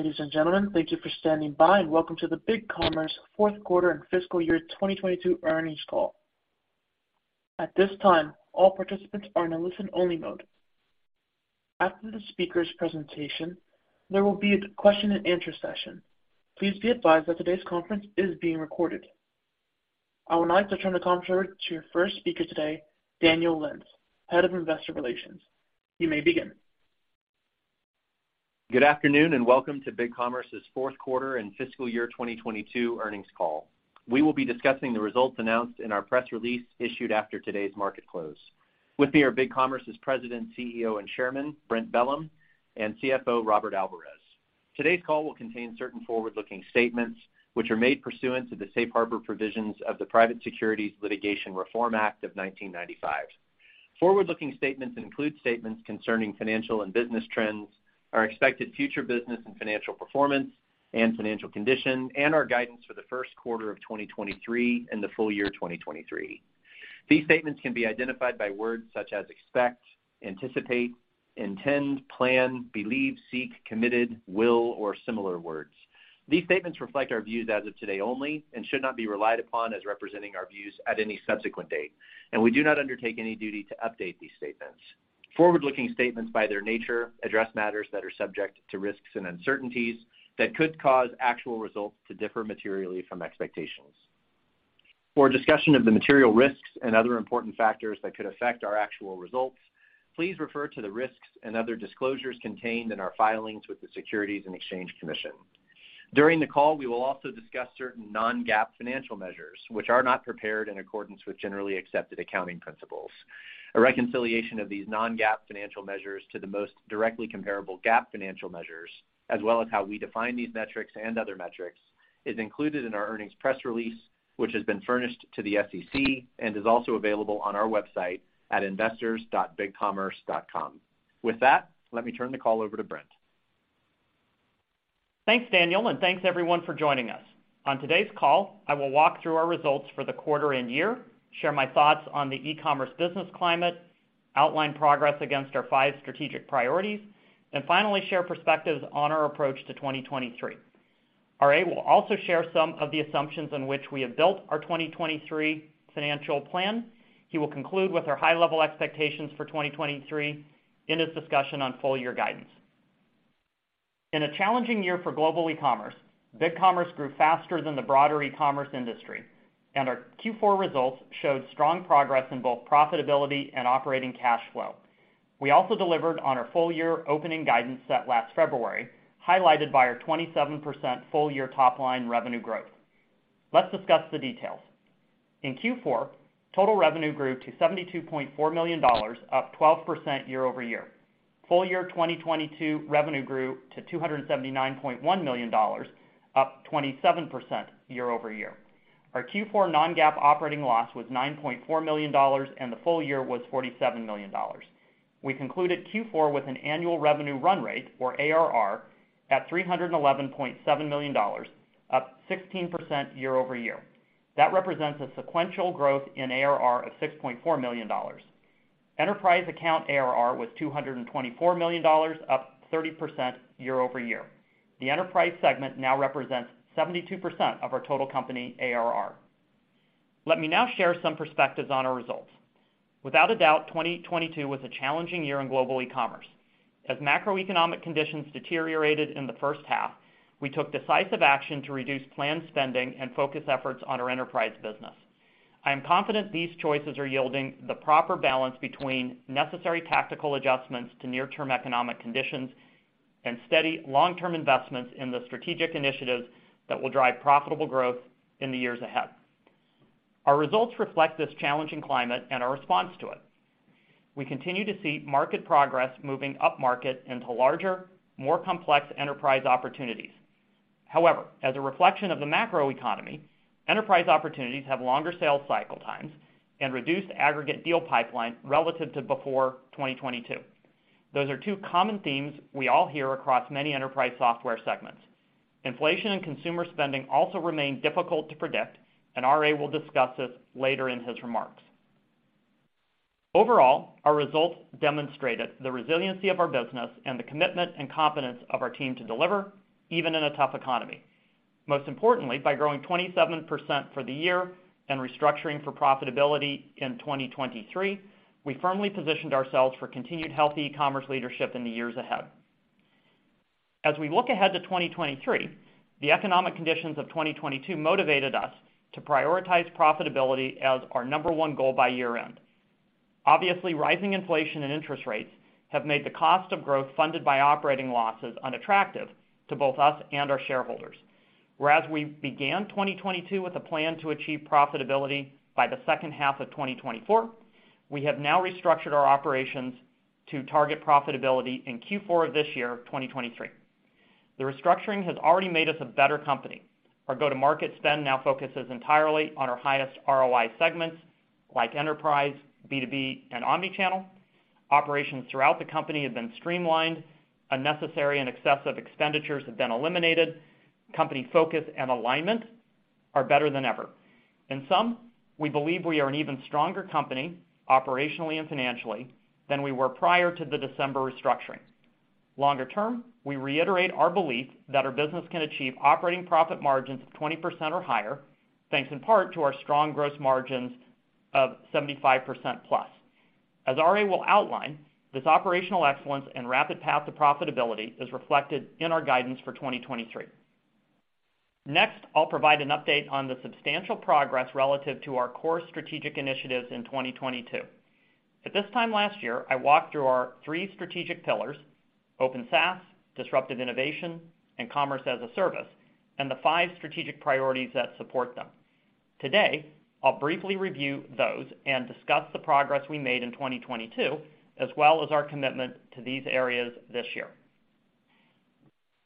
Ladies and gentlemen, thank you for standing by and welcome to the BigCommerce Fourth Quarter and fiscal year 2022 earnings call. At this time, all participants are in a listen only mode. After the speaker's presentation, there will be a question and answer session. Please be advised that today's conference is being recorded. I would like to turn the conference over to your first speaker today, Daniel Lentz, Head of Investor Relations. You may begin. Good afternoon, and welcome to BigCommerce's fourth quarter and fiscal year 2022 earnings call. We will be discussing the results announced in our press release issued after today's market close. With me are BigCommerce's President, CEO, and Chairman, Brent Bellm, and CFO, Robert Alvarez. Today's call will contain certain forward-looking statements, which are made pursuant to the safe harbor provisions of the Private Securities Litigation Reform Act of 1995. Forward-looking statements include statements concerning financial and business trends, our expected future business and financial performance and financial condition, and our guidance for the first quarter of 2023 and the full year 2023. These statements can be identified by words such as expect, anticipate, intend, plan, believe, seek, committed, will, or similar words. These statements reflect our views as of today only and should not be relied upon as representing our views at any subsequent date, and we do not undertake any duty to update these statements. Forward-looking statements, by their nature, address matters that are subject to risks and uncertainties that could cause actual results to differ materially from expectations. For a discussion of the material risks and other important factors that could affect our actual results, please refer to the risks and other disclosures contained in our filings with the Securities and Exchange Commission. During the call, we will also discuss certain non-GAAP financial measures, which are not prepared in accordance with generally accepted accounting principles. A reconciliation of these non-GAAP financial measures to the most directly comparable GAAP financial measures, as well as how we define these metrics and other metrics, is included in our earnings press release, which has been furnished to the SEC and is also available on our website at investors.BigCommerce.com. With that, let me turn the call over to Brent. Thanks, Daniel, thanks everyone for joining us. On today's call, I will walk through our results for the quarter and year, share my thoughts on the e-commerce business climate, outline progress against our five strategic priorities, finally, share perspectives on our approach to 2023. RA will also share some of the assumptions on which we have built our 2023 financial plan. He will conclude with our high-level expectations for 2023 in his discussion on full year guidance. In a challenging year for global e-commerce, BigCommerce grew faster than the broader e-commerce industry, our Q4 results showed strong progress in both profitability and operating cash flow. We also delivered on our full year opening guidance set last February, highlighted by our 27% full year top line revenue growth. Let's discuss the details. In Q4, total revenue grew to $72.4 million, up 12% year-over-year. Full year 2022 revenue grew to $279.1 million, up 27% year-over-year. Our Q4 non-GAAP operating loss was $9.4 million, and the full year was $47 million. We concluded Q4 with an annual revenue run rate, or ARR, at $311.7 million, up 16% year-over-year. That represents a sequential growth in ARR of $6.4 million. Enterprise account ARR was $224 million, up 30% year-over-year. The enterprise segment now represents 72% of our total company ARR. Let me now share some perspectives on our results. Without a doubt, 2022 was a challenging year in global e-commerce. As macroeconomic conditions deteriorated in the first half, we took decisive action to reduce planned spending and focus efforts on our enterprise business. I am confident these choices are yielding the proper balance between necessary tactical adjustments to near-term economic conditions and steady long-term investments in the strategic initiatives that will drive profitable growth in the years ahead. Our results reflect this challenging climate and our response to it. We continue to see market progress moving upmarket into larger, more complex enterprise opportunities. As a reflection of the macroeconomy, enterprise opportunities have longer sales cycle times and reduced aggregate deal pipeline relative to before 2022. Those are two common themes we all hear across many enterprise software segments. Inflation and consumer spending also remain difficult to predict, and RA will discuss this later in his remarks. Overall, our results demonstrated the resiliency of our business and the commitment and competence of our team to deliver even in a tough economy. Most importantly, by growing 27% for the year and restructuring for profitability in 2023, we firmly positioned ourselves for continued healthy e-commerce leadership in the years ahead. As we look ahead to 2023, the economic conditions of 2022 motivated us to prioritize profitability as our number one goal by year-end. Obviously, rising inflation and interest rates have made the cost of growth funded by operating losses unattractive to both us and our shareholders. Whereas we began 2022 with a plan to achieve profitability by the second half of 2024, we have now restructured our operations to target profitability in Q4 of this year, 2023. The restructuring has already made us a better company. Our go-to-market spend now focuses entirely on our highest ROI segments like enterprise, B2B, and omni-channel. Operations throughout the company have been streamlined. Unnecessary and excessive expenditures have been eliminated. Company focus and alignment are better than ever. In sum, we believe we are an even stronger company, operationally and financially, than we were prior to the December restructuring. Longer term, we reiterate our belief that our business can achieve operating profit margins of 20% or higher, thanks in part to our strong gross margins of 75%+. As RA will outline, this operational excellence and rapid path to profitability is reflected in our guidance for 2023. I'll provide an update on the substantial progress relative to our core strategic initiatives in 2022. At this time last year, I walked through our three strategic pillars, Open SaaS, disruptive innovation, and Commerce-as-a-Service, and the five strategic priorities that support them. Today, I'll briefly review those and discuss the progress we made in 2022, as well as our commitment to these areas this year.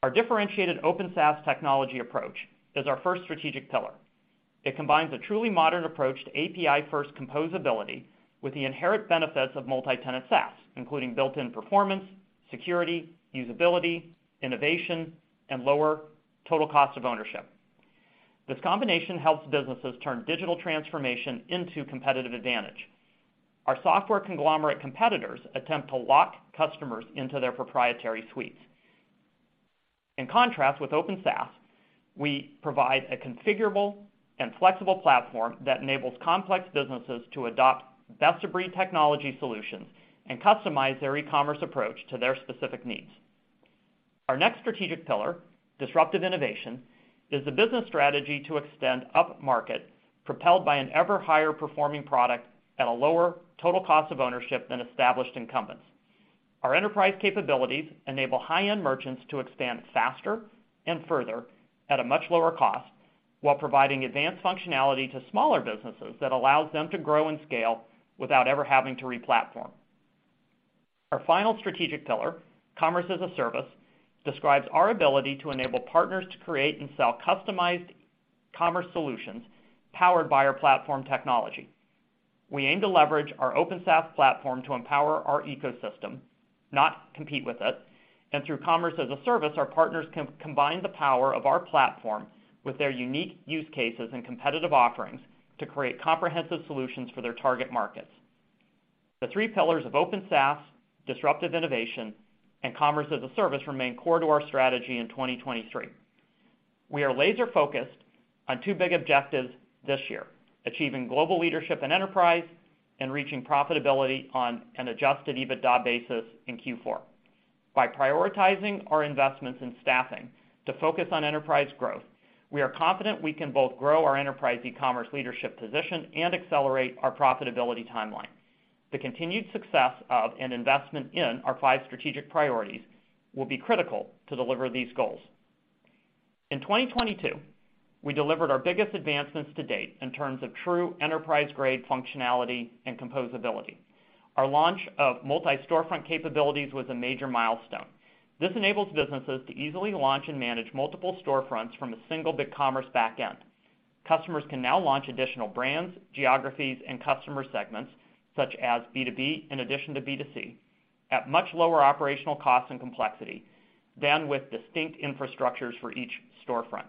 Our differentiated Open SaaS technology approach is our first strategic pillar. It combines a truly modern approach to API-first composability with the inherent benefits of multi-tenant SaaS, including built-in performance, security, usability, innovation, and lower total cost of ownership. This combination helps businesses turn digital transformation into competitive advantage. Our software conglomerate competitors attempt to lock customers into their proprietary suites. In contrast, with Open SaaS, we provide a configurable and flexible platform that enables complex businesses to adopt best-of-breed technology solutions and customize their ecommerce approach to their specific needs. Our next strategic pillar, disruptive innovation, is the business strategy to extend upmarket, propelled by an ever higher performing product at a lower total cost of ownership than established incumbents. Our enterprise capabilities enable high-end merchants to expand faster and further at a much lower cost, while providing advanced functionality to smaller businesses that allows them to grow and scale without ever having to re-platform. Our final strategic pillar, Commerce-as-a-Service, describes our ability to enable partners to create and sell customized commerce solutions powered by our platform technology. We aim to leverage our Open SaaS platform to empower our ecosystem, not compete with it. Through Commerce-as-a-Service, our partners combine the power of our platform with their unique use cases and competitive offerings to create comprehensive solutions for their target markets. The three pillars of Open SaaS, disruptive innovation, and Commerce-as-a-Service remain core to our strategy in 2023. We are laser-focused on two big objectives this year, achieving global leadership and enterprise and reaching profitability on an adjusted EBITDA basis in Q4. By prioritizing our investments in staffing to focus on enterprise growth, we are confident we can both grow our enterprise e-commerce leadership position and accelerate our profitability timeline. The continued success of, and investment in, our five strategic priorities will be critical to deliver these goals. In 2022, we delivered our biggest advancements to date in terms of true enterprise-grade functionality and composability. Our launch of Multi-Storefront capabilities was a major milestone. This enables businesses to easily launch and manage multiple storefronts from a single BigCommerce backend. Customers can now launch additional brands, geographies, and customer segments, such as B2B, in addition to B2C, at much lower operational costs and complexity than with distinct infrastructures for each storefront.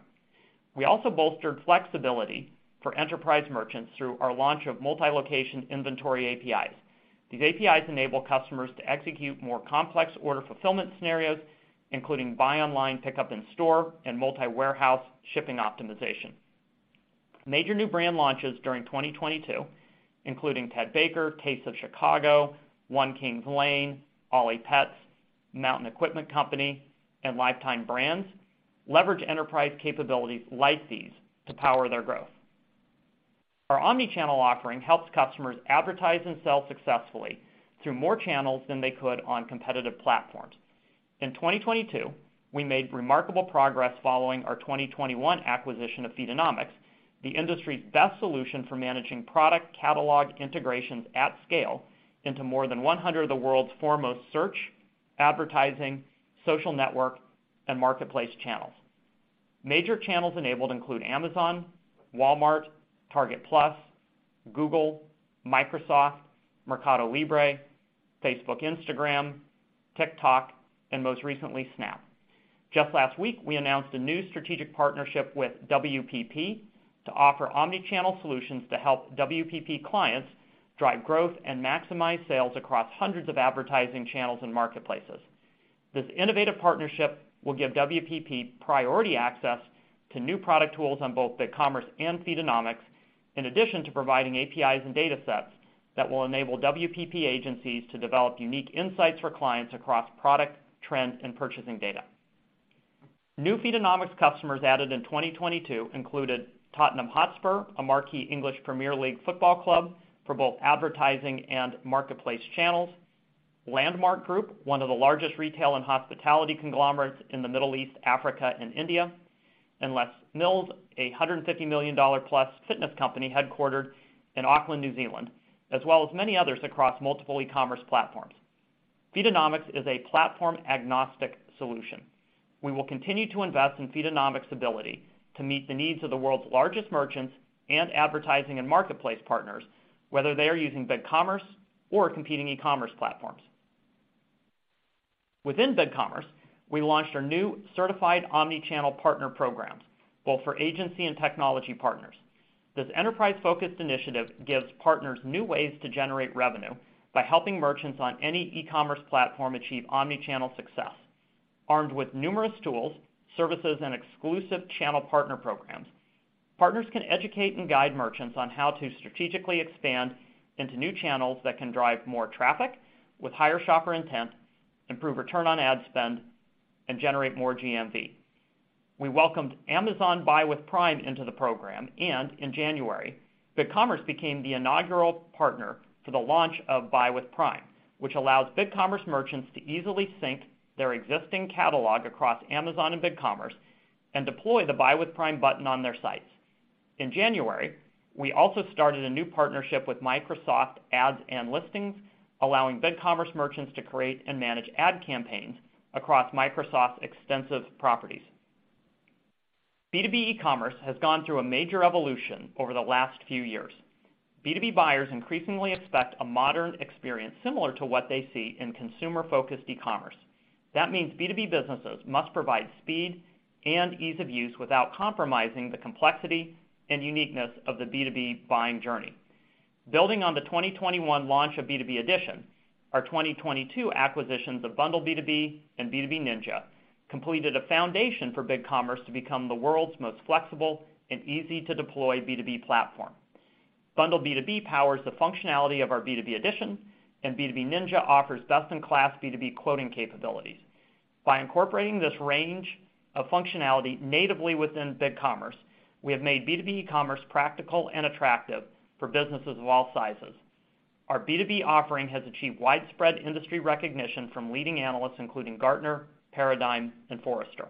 We also bolstered flexibility for enterprise merchants through our launch of multi-location inventory APIs. These APIs enable customers to execute more complex order fulfillment scenarios, including buy online, pickup in store, and multi-warehouse shipping optimization. Major new brand launches during 2022, including Ted Baker, Taste of Chicago, One Kings Lane, Ollie Pets, Mountain Equipment Company, and Lifetime Brands, leverage enterprise capabilities like these to power their growth. Our omni-channel offering helps customers advertise and sell successfully through more channels than they could on competitive platforms. In 2022, we made remarkable progress following our 2021 acquisition of Feedonomics, the industry's best solution for managing product catalog integrations at scale into more than 100 of the world's foremost search, advertising, social network, and marketplace channels. Major channels enabled include Amazon, Walmart, Target Plus, Google, Microsoft, MercadoLibre, Facebook, Instagram, TikTok, and most recently, Snap. Just last week, we announced a new strategic partnership with WPP to offer omni-channel solutions to help WPP clients drive growth and maximize sales across hundreds of advertising channels and marketplaces. This innovative partnership will give WPP priority access to new product tools on both BigCommerce and Feedonomics, in addition to providing APIs and datasets that will enable WPP agencies to develop unique insights for clients across product, trends, and purchasing data. New Feedonomics customers added in 2022 included Tottenham Hotspur, a marquee English Premier League football club for both advertising and marketplace channels, Landmark Group, one of the largest retail and hospitality conglomerates in the Middle East, Africa, and India, and Les Mills, a $150 million+ fitness company headquartered in Auckland, New Zealand, as well as many others across multiple e-commerce platforms. Feedonomics is a platform-agnostic solution. We will continue to invest in Feedonomics' ability to meet the needs of the world's largest merchants and advertising and marketplace partners, whether they are using BigCommerce or competing e-commerce platforms. Within BigCommerce, we launched our new certified omni-channel partner programs, both for agency and technology partners. This enterprise-focused initiative gives partners new ways to generate revenue by helping merchants on any e-commerce platform achieve omni-channel success. Armed with numerous tools, services, and exclusive channel partner programs, partners can educate and guide merchants on how to strategically expand into new channels that can drive more traffic with higher shopper intent, improve return on ad spend, and generate more GMV. We welcomed Amazon Buy with Prime into the program. In January, BigCommerce became the inaugural partner for the launch of Buy with Prime, which allows BigCommerce merchants to easily sync their existing catalog across Amazon and BigCommerce and deploy the Buy with Prime button on their sites. In January, we also started a new partnership with Microsoft Ads and Listings, allowing BigCommerce merchants to create and manage ad campaigns across Microsoft's extensive properties. B2B e-commerce has gone through a major evolution over the last few years. B2B buyers increasingly expect a modern experience similar to what they see in consumer-focused e-commerce. That means B2B businesses must provide speed and ease of use without compromising the complexity and uniqueness of the B2B buying journey. Building on the 2021 launch of B2B Edition, our 2022 acquisitions of BundleB2B and B2B Ninja completed a foundation for BigCommerce to become the world's most flexible and easy-to-deploy B2B platform. BundleB2B powers the functionality of our B2B Edition. B2B Ninja offers best-in-class B2B quoting capabilities. By incorporating this range of functionality natively within BigCommerce, we have made B2B e-commerce practical and attractive for businesses of all sizes. Our B2B offering has achieved widespread industry recognition from leading analysts, including Gartner, Paradigm, and Forrester.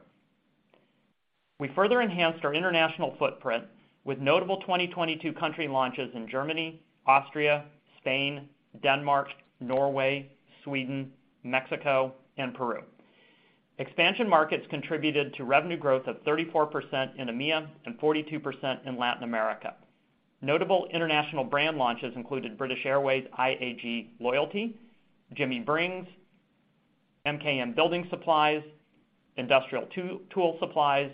We further enhanced our international footprint with notable 2022 country launches in Germany, Austria, Spain, Denmark, Norway, Sweden, Mexico, and Peru. Expansion markets contributed to revenue growth of 34% in EMEA and 42% in Latin America. Notable international brand launches included British Airways IAG Loyalty, Jimmy Brings, MKM Building Supplies, Industrial Tool Supplies,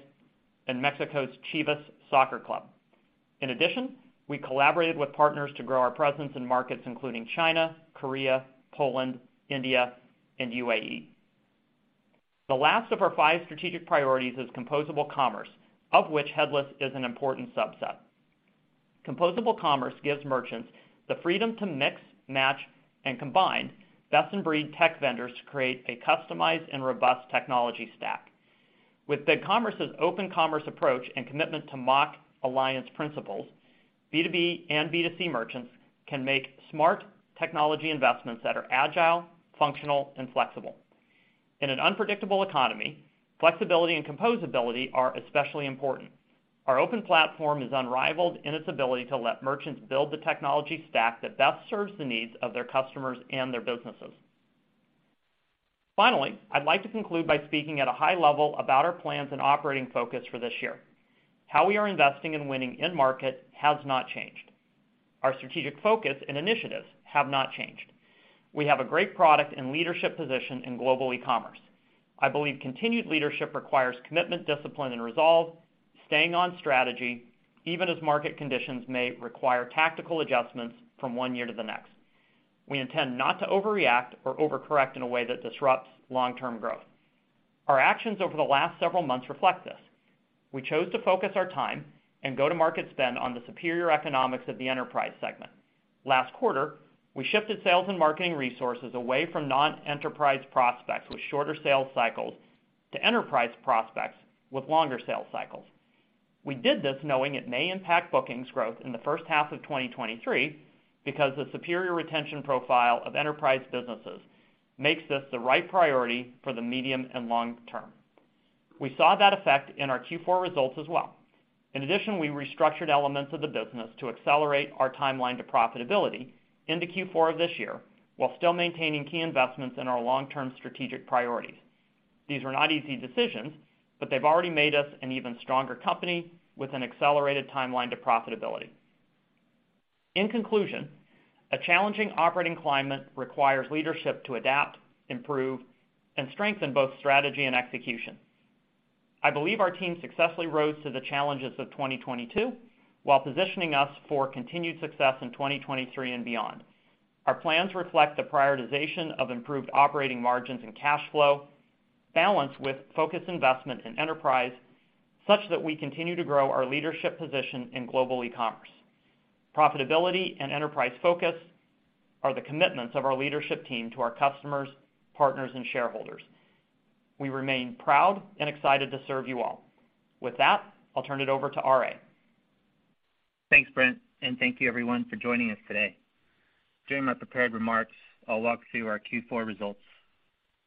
and Mexico's Chivas Soccer Club. We collaborated with partners to grow our presence in markets including China, Korea, Poland, India, and UAE. The last of our five strategic priorities is composable commerce, of which headless is an important subset. Composable commerce gives merchants the freedom to mix, match, and combine best-in-breed tech vendors to create a customized and robust technology stack. With BigCommerce's open commerce approach and commitment to MACH Alliance principles, B2B and B2C merchants can make smart technology investments that are agile, functional, and flexible. In an unpredictable economy, flexibility and composability are especially important. Our open platform is unrivaled in its ability to let merchants build the technology stack that best serves the needs of their customers and their businesses. Finally, I'd like to conclude by speaking at a high level about our plans and operating focus for this year. How we are investing and winning in market has not changed. Our strategic focus and initiatives have not changed. We have a great product and leadership position in global e-commerce. I believe continued leadership requires commitment, discipline, and resolve, staying on strategy, even as market conditions may require tactical adjustments from one year to the next. We intend not to overreact or overcorrect in a way that disrupts long-term growth. Our actions over the last several months reflect this. We chose to focus our time and go-to-market spend on the superior economics of the enterprise segment. Last quarter, we shifted sales and marketing resources away from non-enterprise prospects with shorter sales cycles to enterprise prospects with longer sales cycles. We did this knowing it may impact bookings growth in the first half of 2023 because the superior retention profile of enterprise businesses makes this the right priority for the medium and long term. We saw that effect in our Q4 results as well. We restructured elements of the business to accelerate our timeline to profitability into Q4 of this year, while still maintaining key investments in our long-term strategic priorities. These were not easy decisions, but they've already made us an even stronger company with an accelerated timeline to profitability. In conclusion, a challenging operating climate requires leadership to adapt, improve, and strengthen both strategy and execution. I believe our team successfully rose to the challenges of 2022 while positioning us for continued success in 2023 and beyond. Our plans reflect the prioritization of improved operating margins and cash flow, balanced with focused investment in enterprise such that we continue to grow our leadership position in global e-commerce. Profitability and enterprise focus are the commitments of our leadership team to our customers, partners, and shareholders. We remain proud and excited to serve you all. With that, I'll turn it over to R.A. Thanks, Brent, and thank you everyone for joining us today. During my prepared remarks, I'll walk through our Q4 results,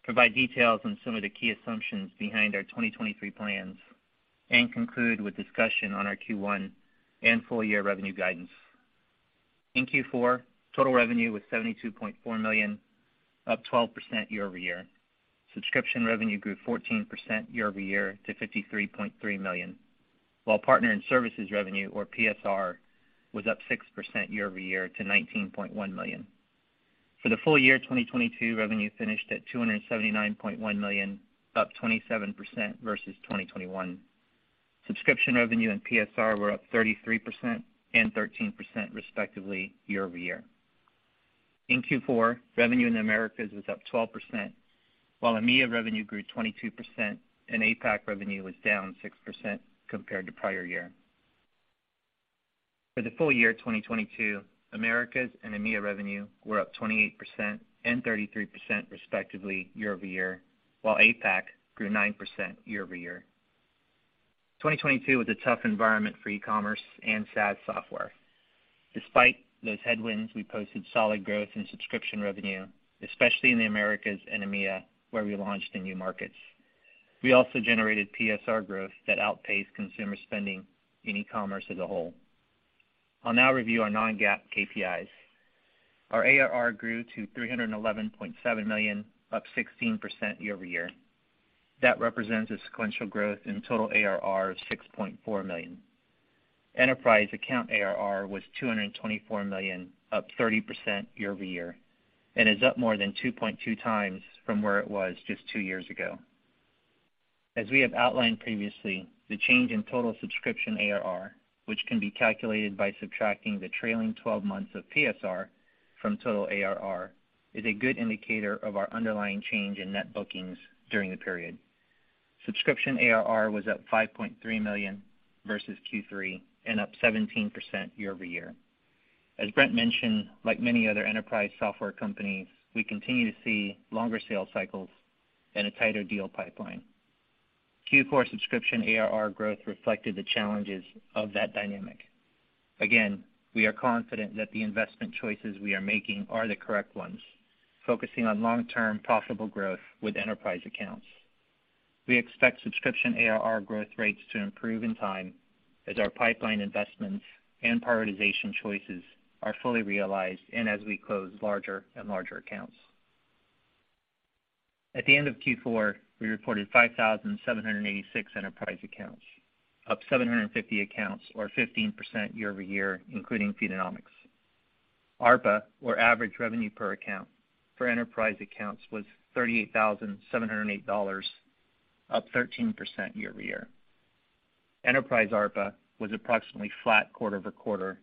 provide details on some of the key assumptions behind our 2023 plans, and conclude with discussion on our Q1 and full year revenue guidance. In Q4, total revenue was $72.4 million, up 12% year-over-year. Subscription revenue grew 14% year-over-year to $53.3 million. While partner and services revenue, or PSR, was up 6% year-over-year to $19.1 million. For the full year 2022, revenue finished at $279.1 million, up 27% versus 2021. Subscription revenue and PSR were up 33% and 13% respectively year-over-year. In Q4, revenue in the Americas was up 12%, while EMEA revenue grew 22%, and APAC revenue was down 6% compared to prior year. For the full year 2022, Americas and EMEA revenue were up 28% and 33% respectively year-over-year, while APAC grew 9% year-over-year. 2022 was a tough environment for e-commerce and SaaS software. Despite those headwinds, we posted solid growth in subscription revenue, especially in the Americas and EMEA, where we launched in new markets. We also generated PSR growth that outpaced consumer spending in e-commerce as a whole. I'll now review our non-GAAP KPIs. Our ARR grew to $311.7 million, up 16% year-over-year. That represents a sequential growth in total ARR of $6.4 million. Enterprise account ARR was $224 million, up 30% year-over-year, and is up more than 2.2x from where it was just two years ago. As we have outlined previously, the change in total subscription ARR, which can be calculated by subtracting the trailing 12 months of PSR from total ARR, is a good indicator of our underlying change in net bookings during the period. Subscription ARR was up $5.3 million versus Q3 and up 17% year-over-year. As Brent mentioned, like many other enterprise software companies, we continue to see longer sales cycles and a tighter deal pipeline. Q4 subscription ARR growth reflected the challenges of that dynamic. Again, we are confident that the investment choices we are making are the correct ones, focusing on long-term profitable growth with enterprise accounts. We expect subscription ARR growth rates to improve in time as our pipeline investments and prioritization choices are fully realized and as we close larger and larger accounts. At the end of Q4, we reported 5,786 enterprise accounts, up 750 accounts or 15% year-over-year, including Feedonomics. ARPA, or Average Revenue Per Account, for enterprise accounts was $38,708, up 13% year-over-year. Enterprise ARPA was approximately flat quarter-over-quarter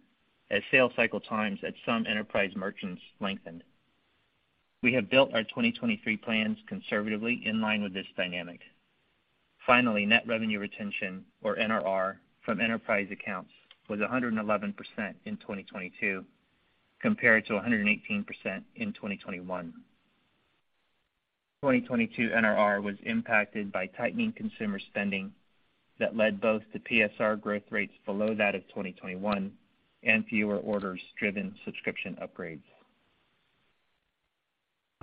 as sales cycle times at some enterprise merchants lengthened. We have built our 2023 plans conservatively in line with this dynamic. Net revenue retention, or NRR, from enterprise accounts was 111% in 2022, compared to 118% in 2021. 2022 NRR was impacted by tightening consumer spending that led both to PSR growth rates below that of 2021 and fewer orders driven subscription upgrades.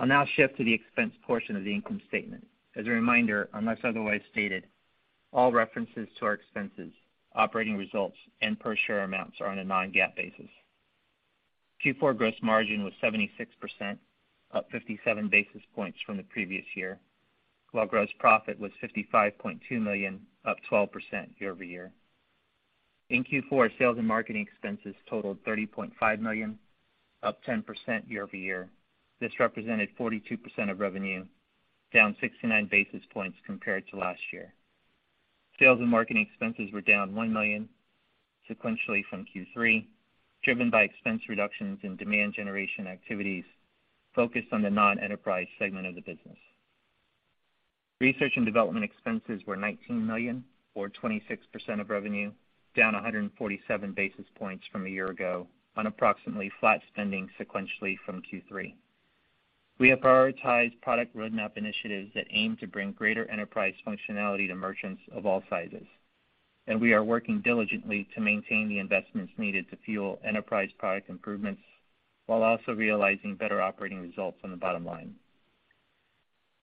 I'll now shift to the expense portion of the income statement. As a reminder, unless otherwise stated, all references to our expenses, operating results, and per share amounts are on a non-GAAP basis. Q4 gross margin was 76%, up 57 basis points from the previous year, while gross profit was $55.2 million, up 12% year-over-year. In Q4, sales and marketing expenses totaled $30.5 million, up 10% year-over-year. This represented 42% of revenue, down 69 basis points compared to last year. Sales and marketing expenses were down $1 million sequentially from Q3, driven by expense reductions in demand generation activities focused on the non-enterprise segment of the business. Research and development expenses were $19 million or 26% of revenue, down 147 basis points from a year ago on approximately flat spending sequentially from Q3. We have prioritized product roadmap initiatives that aim to bring greater enterprise functionality to merchants of all sizes, and we are working diligently to maintain the investments needed to fuel enterprise product improvements while also realizing better operating results on the bottom line.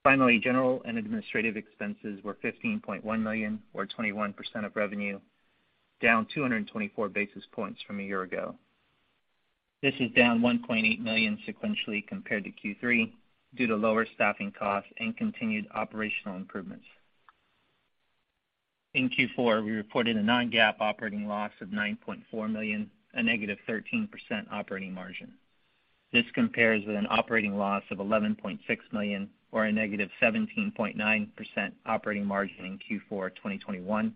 Finally, general and administrative expenses were $15.1 million or 21% of revenue, down 224 basis points from a year ago. This is down $1.8 million sequentially compared to Q3 due to lower staffing costs and continued operational improvements. In Q4, we reported a non-GAAP operating loss of $9.4 million, a negative 13% operating margin. This compares with an operating loss of $11.6 million or a negative 17.9% operating margin in Q4 of 2021,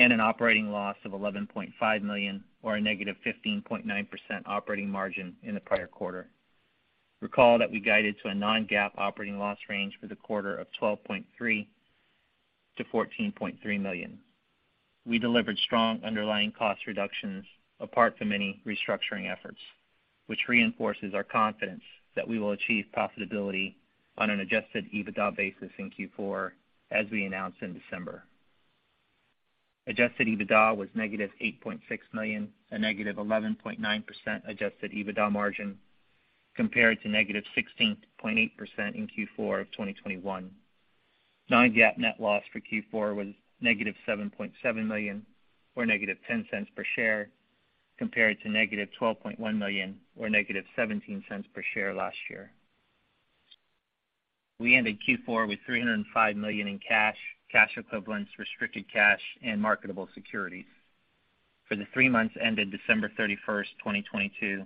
and an operating loss of $11.5 million or a negative 15.9% operating margin in the prior quarter. Recall that we guided to a non-GAAP operating loss range for the quarter of $12.3 million-$14.3 million. We delivered strong underlying cost reductions apart from any restructuring efforts, which reinforces our confidence that we will achieve profitability on an adjusted EBITDA basis in Q4 as we announced in December. Adjusted EBITDA was negative $8.6 million, a negative 11.9% adjusted EBITDA margin compared to negative 16.8% in Q4 of 2021. Non-GAAP net loss for Q4 was -$7.7 million or -$0.10 per share, compared to -$12.1 million or -$0.17 per share last year. We ended Q4 with $305 million in cash equivalents, restricted cash, and marketable securities. For the three months ended December 31, 2022,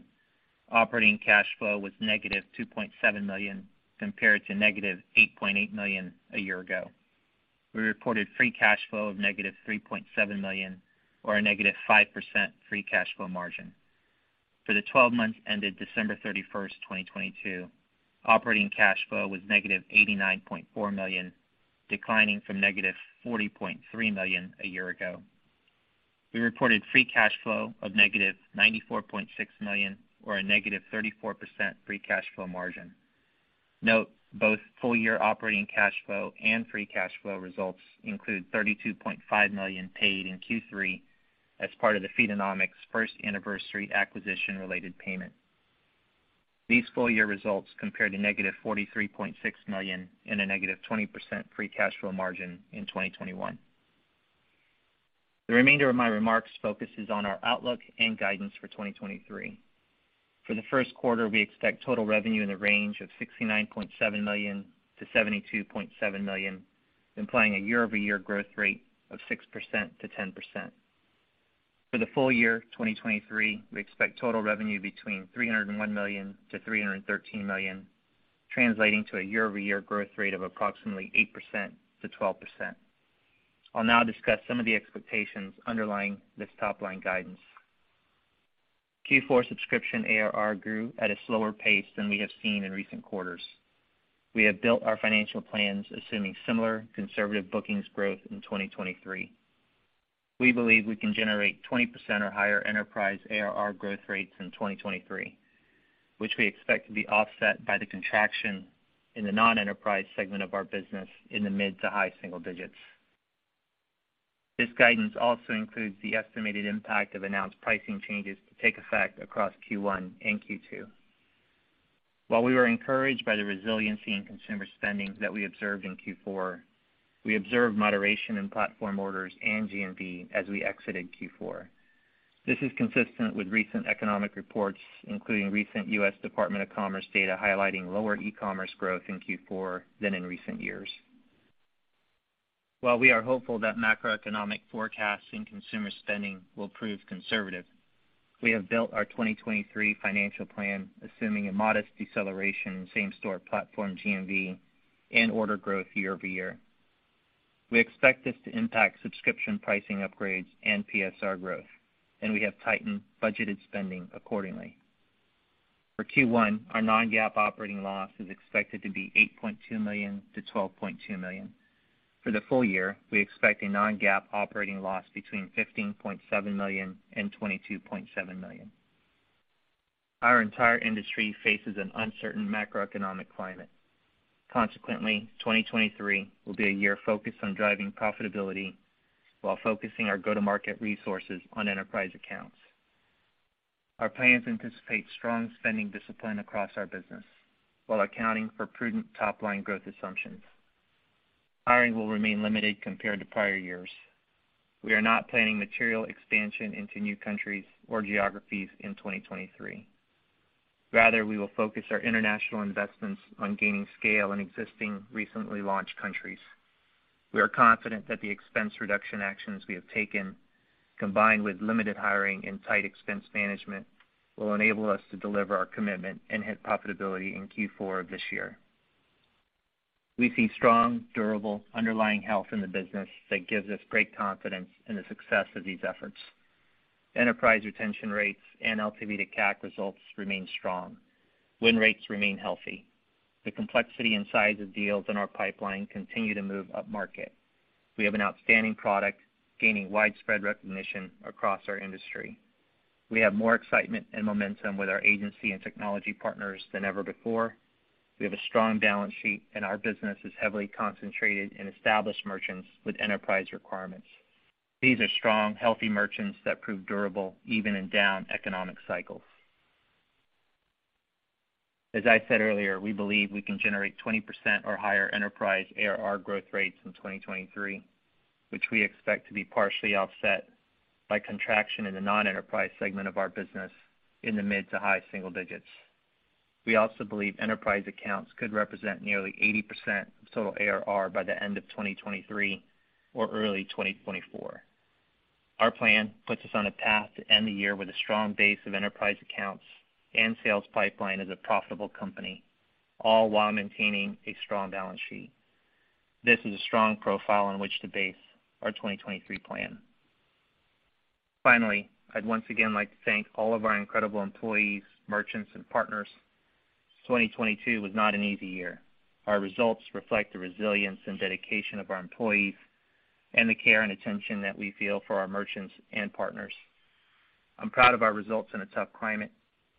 operating cash flow was -$2.7 million, compared to -$8.8 million a year ago. We reported free cash flow of -$3.7 million, or a -5% free cash flow margin. For the 12 months ended December 31, 2022, operating cash flow was -$89.4 million, declining from -$40.3 million a year ago. We reported free cash flow of -$94.6 million, or a -34% free cash flow margin. Note, both full year operating cash flow and free cash flow results include $32.5 million paid in Q3 as part of the Feedonomics first anniversary acquisition-related payment. These full year results compared to -$43.6 million and a -20% free cash flow margin in 2021. The remainder of my remarks focuses on our outlook and guidance for 2023. For the first quarter, we expect total revenue in the range of $69.7 million-$72.7 million, implying a year-over-year growth rate of 6%-10%. For the full year 2023, we expect total revenue between $301 million-$313 million, translating to a year-over-year growth rate of approximately 8%-12%. I'll now discuss some of the expectations underlying this top-line guidance. Q4 subscription ARR grew at a slower pace than we have seen in recent quarters. We have built our financial plans assuming similar conservative bookings growth in 2023. We believe we can generate 20% or higher enterprise ARR growth rates in 2023, which we expect to be offset by the contraction in the non-enterprise segment of our business in the mid to high single digits. This guidance also includes the estimated impact of announced pricing changes to take effect across Q1 and Q2. While we were encouraged by the resiliency in consumer spending that we observed in Q4, we observed moderation in platform orders and GMV as we exited Q4. This is consistent with recent economic reports, including recent U.S. Department of Commerce data highlighting lower e-commerce growth in Q4 than in recent years. While we are hopeful that macroeconomic forecasts in consumer spending will prove conservative, we have built our 2023 financial plan assuming a modest deceleration in same-store platform GMV and order growth year-over-year. We expect this to impact subscription pricing upgrades and PSR growth, we have tightened budgeted spending accordingly. For Q1, our non-GAAP operating loss is expected to be $8.2 million-$12.2 million. For the full year, we expect a non-GAAP operating loss between $15.7 million and $22.7 million. Our entire industry faces an uncertain macroeconomic climate. Consequently, 2023 will be a year focused on driving profitability while focusing our go-to-market resources on enterprise accounts. Our plans anticipate strong spending discipline across our business while accounting for prudent top-line growth assumptions. Hiring will remain limited compared to prior years. We are not planning material expansion into new countries or geographies in 2023. Rather, we will focus our international investments on gaining scale in existing, recently launched countries. We are confident that the expense reduction actions we have taken, combined with limited hiring and tight expense management, will enable us to deliver our commitment and hit profitability in Q4 of this year. We see strong, durable, underlying health in the business that gives us great confidence in the success of these efforts. Enterprise retention rates and LTV to CAC results remain strong. Win rates remain healthy. The complexity and size of deals in our pipeline continue to move upmarket. We have an outstanding product gaining widespread recognition across our industry. We have more excitement and momentum with our agency and technology partners than ever before. We have a strong balance sheet. Our business is heavily concentrated in established merchants with enterprise requirements. These are strong, healthy merchants that prove durable even in down economic cycles. As I said earlier, we believe we can generate 20% or higher enterprise ARR growth rates in 2023, which we expect to be partially offset by contraction in the non-enterprise segment of our business in the mid to high single digits. We also believe enterprise accounts could represent nearly 80% of total ARR by the end of 2023 or early 2024. Our plan puts us on a path to end the year with a strong base of enterprise accounts and sales pipeline as a profitable company, all while maintaining a strong balance sheet. This is a strong profile on which to base our 2023 plan. Finally, I'd once again like to thank all of our incredible employees, merchants, and partners. 2022 was not an easy year. Our results reflect the resilience and dedication of our employees and the care and attention that we feel for our merchants and partners. I'm proud of our results in a tough climate,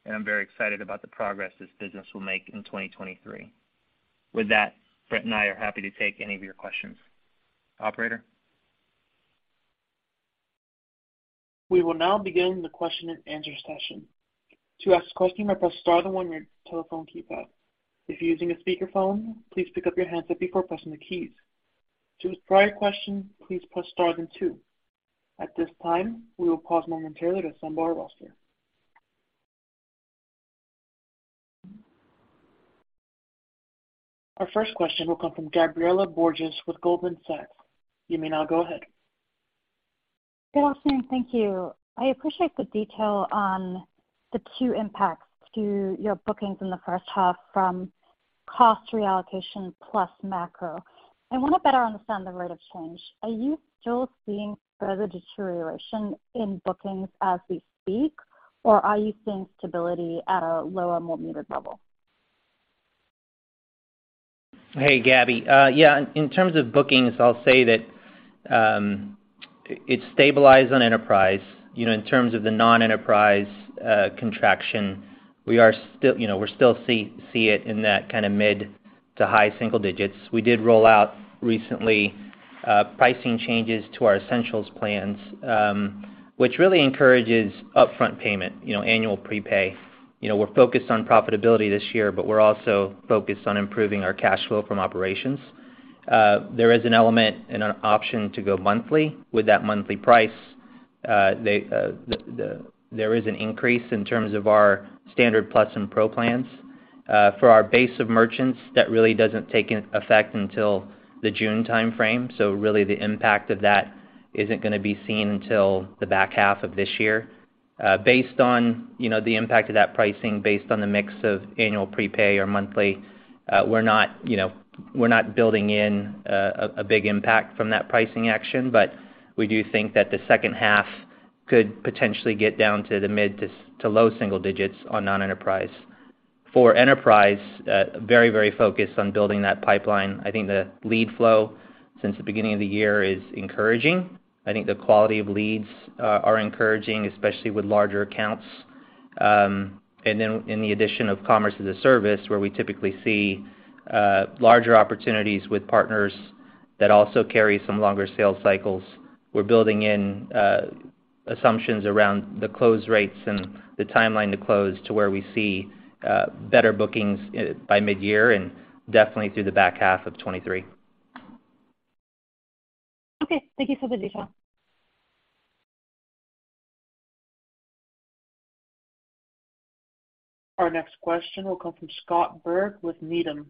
I'm very excited about the progress this business will make in 2023. With that, Brent and I are happy to take any of your questions. Operator? We will now begin the question and answer session. To ask a question, press star then 1 on your telephone keypad. If you're using a speakerphone, please pick up your handset before pressing the keys. To withdraw your question, please press star then two. At this time, we will pause momentarily to assemble our roster. Our first question will come from Gabriela Borges with Goldman Sachs. You may now go ahead. Good afternoon. Thank you. I appreciate the detail on the two impacts to your bookings in the first half from cost reallocation plus macro. I wanna better understand the rate of change. Are you still seeing further deterioration in bookings as we speak, or are you seeing stability at a lower, more muted level? Hey, Gabby. Yeah, in terms of bookings, I'll say that it stabilized on enterprise. You know, in terms of the non-enterprise contraction, we are still. You know, we're still see it in that kind of mid-to-high single digits. We did roll out recently pricing changes to our Essentials Plans, which really encourages upfront payment, you know, annual prepay. You know, we're focused on profitability this year, but we're also focused on improving our cash flow from operations. There is an element and an option to go monthly. With that monthly price, there is an increase in terms of our Standard Plus and Pro Plans. For our base of merchants, that really doesn't take effect until the June timeframe, so really the impact of that isn't gonna be seen until the back half of this year. Based on, you know, the impact of that pricing, based on the mix of annual prepay or monthly, we're not, you know, we're not building in a big impact from that pricing action, but we do think that the second half could potentially get down to the mid to low single digits on non-enterprise. For enterprise, very, very focused on building that pipeline. I think the lead flow since the beginning of the year is encouraging. I think the quality of leads are encouraging, especially with larger accounts, and then in the addition of Commerce-as-a-Service, where we typically see larger opportunities with partners that also carry some longer sales cycles. We're building in assumptions around the close rates and the timeline to close to where we see better bookings by mid-year and definitely through the back half of 2023. Okay. Thank you for the detail. Our next question will come from Scott Berg with Needham.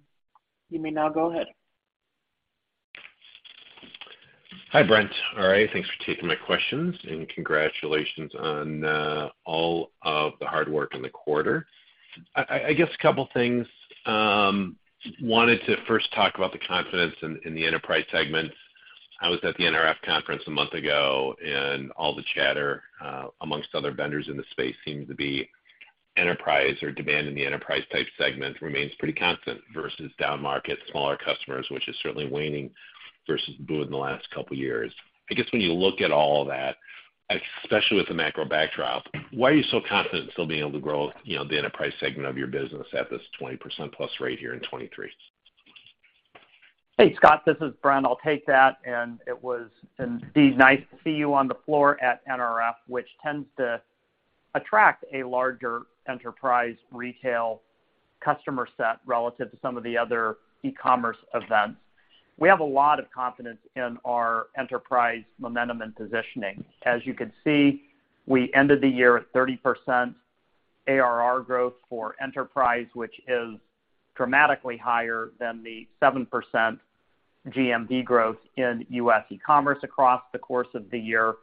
You may now go ahead. Hi, Brent. All right, thanks for taking my questions, and congratulations on all of the hard work in the quarter. I guess a couple things. wanted to first talk about the confidence in the enterprise segments. I was at the NRF conference a month ago, and all the chatter amongst other vendors in the space seemed to be enterprise or demand in the enterprise type segment remains pretty constant versus downmarket, smaller customers, which is certainly waning versus boom in the last couple years. I guess when you look at all that, especially with the macro backdrop, why are you so confident in still being able to grow, you know, the enterprise segment of your business at this 20% plus rate here in 2023? Hey, Scott. This is Brent. I'll take that. It was indeed nice to see you on the floor at NRF, which tends to attract a larger enterprise retail customer set relative to some of the other e-commerce events. We have a lot of confidence in our enterprise momentum and positioning. As you can see, we ended the year at 30% ARR growth for enterprise, which is dramatically higher than the 7% GMV growth in U.S. e-commerce across the course of the year,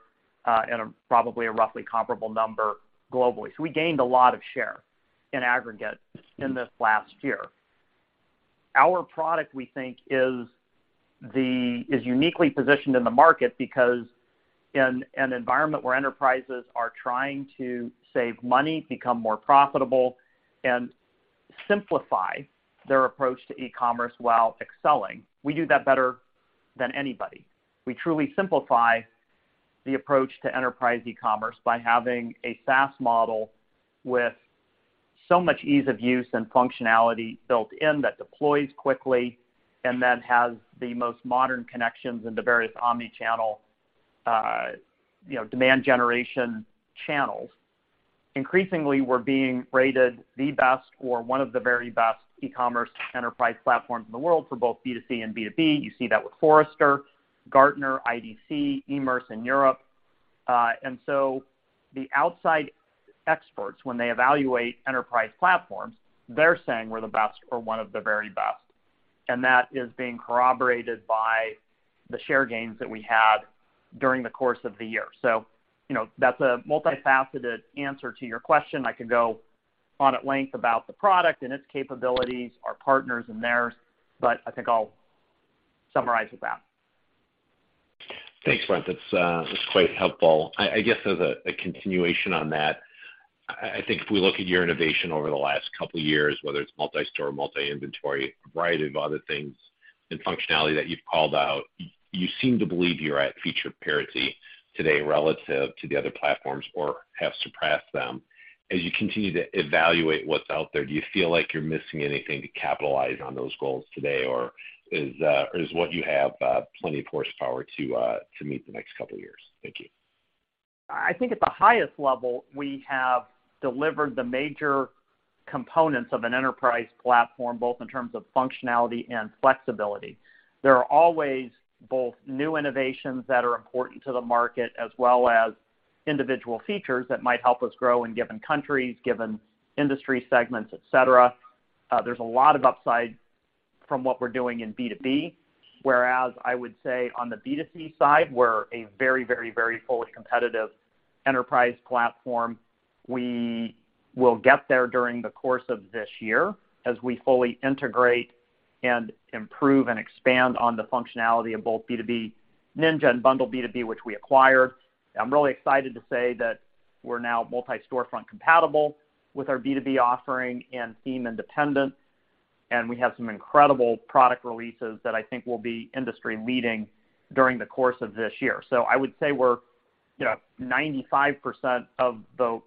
and a probably a roughly comparable number globally. We gained a lot of share in aggregate in this last year. Our product, we think, is uniquely positioned in the market because in an environment where enterprises are trying to save money, become more profitable, and simplify their approach to e-commerce while excelling, we do that better than anybody. We truly simplify the approach to enterprise e-commerce by having a SaaS model with so much ease of use and functionality built in that deploys quickly and then has the most modern connections into various omni-channel, you know, demand generation channels. Increasingly, we're being rated the best or one of the very best e-commerce enterprise platforms in the world for both B2C and B2B. You see that with Forrester, Gartner, IDC, Emerce in Europe. The outside experts, when they evaluate enterprise platforms, they're saying we're the best or one of the very best, and that is being corroborated by the share gains that we had during the course of the year. You know, that's a multifaceted answer to your question. I could go on at length about the product and its capabilities, our partners and theirs, but I think I'll summarize with that. Thanks, Brent. That's, that's quite helpful. I guess as a continuation on that, I think if we look at your innovation over the last couple years, whether it's Multi-Store, multi-inventory, a variety of other things and functionality that you've called out, you seem to believe you're at feature parity today relative to the other platforms or have suppressed them. As you continue to evaluate what's out there, do you feel like you're missing anything to capitalize on those goals today, or is what you have plenty of horsepower to meet the next couple years? Thank you. I think at the highest level, we have delivered the major components of an enterprise platform, both in terms of functionality and flexibility. There are always both new innovations that are important to the market, as well as individual features that might help us grow in given countries, given industry segments, et cetera. There's a lot of upside from what we're doing in B2B, whereas I would say on the B2C side, we're a very, very, very fully competitive enterprise platform. We will get there during the course of this year as we fully integrate and improve and expand on the functionality of both B2B Ninja and Bundle B2B, which we acquired. I'm really excited to say that we're now Multi-Storefront compatible with our B2B offering and theme independent, we have some incredible product releases that I think will be industry-leading during the course of this year. I would say we're, you know, 95% of the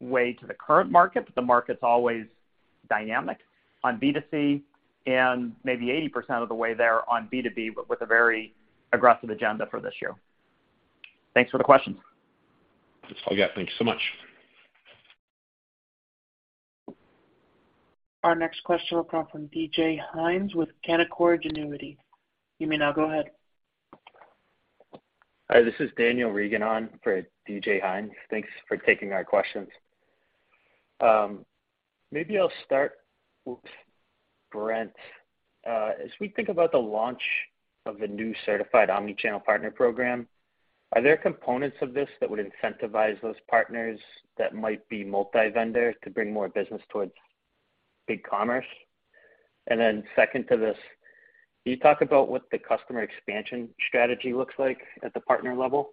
way to the current market, but the market's always dynamic on B2C and maybe 80% of the way there on B2B, but with a very aggressive agenda for this year. Thanks for the question. Yes. Thank you so much. Our next question will come from DJ Hynes with Canaccord Genuity. You may now go ahead. Hi, this is Daniel Reagan on for DJ Hynes. Thanks for taking our questions. Maybe I'll start with Brent. As we think about the launch of the new certified omni-channel partner program, are there components of this that would incentivize those partners that might be multi-vendor to bring more business towards BigCommerce? Second to this, can you talk about what the customer expansion strategy looks like at the partner level?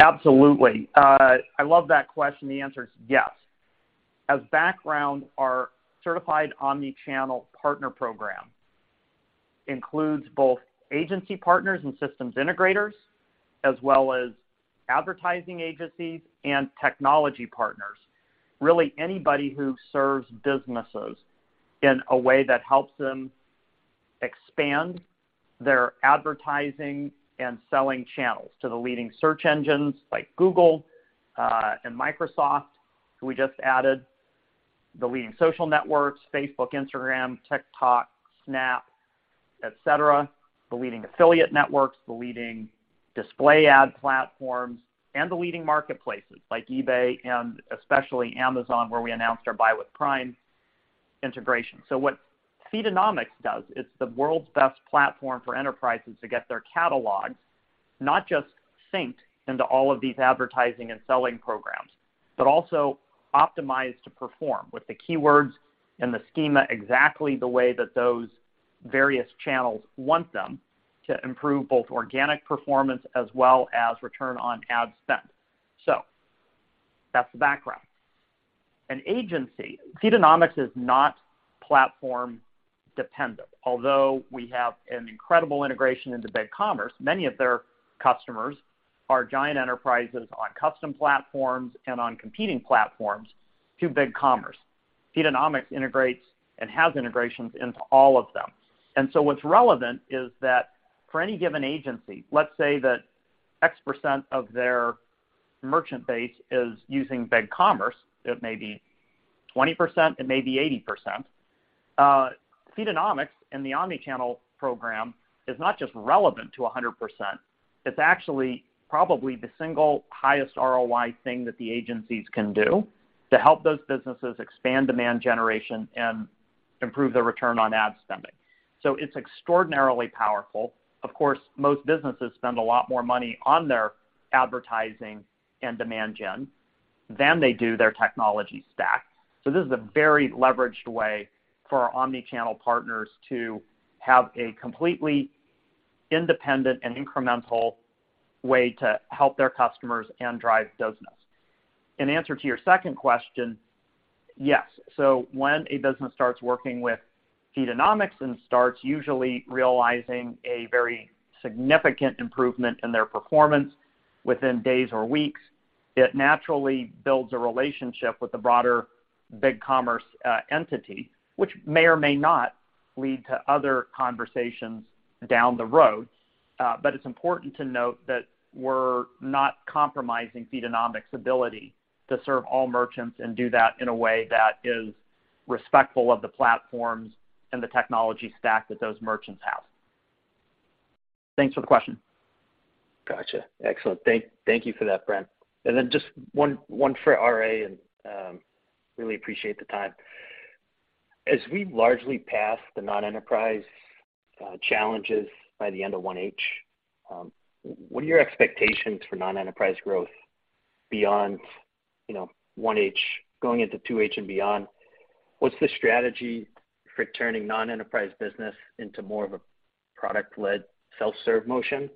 Absolutely. I love that question. The answer is yes. As background, our certified omni-channel partner program includes both agency partners and systems integrators, as well as advertising agencies and technology partners. Really, anybody who serves businesses in a way that helps them expand their advertising and selling channels to the leading search engines like Google, and Microsoft, who we just added, the leading social networks, Facebook, Instagram, TikTok, Snap, et cetera, the leading affiliate networks, the leading display ad platforms, and the leading marketplaces like eBay and especially Amazon, where we announced our Buy with Prime integration. What Feedonomics does, it's the world's best platform for enterprises to get their catalogs, not just synced into all of these advertising and selling programs, but also optimized to perform with the keywords and the schema exactly the way that those various channels want them to improve both organic performance as well as return on ad spend. That's the background. An agency, Feedonomics is not platform-dependent. Although we have an incredible integration into BigCommerce, many of their customers are giant enterprises on custom platforms and on competing platforms to BigCommerce. Feedonomics integrates and has integrations into all of them. What's relevant is that for any given agency, let's say that X% of their merchant base is using BigCommerce, it may be 20%, it may be 80%, Feedonomics and the omni-channel program is not just relevant to 100%. It's actually probably the single highest ROI thing that the agencies can do to help those businesses expand demand generation and improve their return on ad spending. It's extraordinarily powerful. Of course, most businesses spend a lot more money on their advertising and demand gen than they do their technology stack. This is a very leveraged way for our omni-channel partners to have a completely independent and incremental way to help their customers and drive business. In answer to your second question, yes. When a business starts working with Feedonomics and starts usually realizing a very significant improvement in their performance within days or weeks, it naturally builds a relationship with the broader BigCommerce entity, which may or may not lead to other conversations down the road. It's important to note that we're not compromising Feedonomics' ability to serve all merchants and do that in a way that is respectful of the platforms and the technology stack that those merchants have. Thanks for the question. Gotcha. Excellent. Thank you for that, Brent. Just one for R.A., and really appreciate the time. As we largely pass the non-enterprise challenges by the end of one H, what are your expectations for non-enterprise growth beyond 1H, going into 2H and beyond? What's the strategy for turning non-enterprise business into more of a product-led self-serve motion?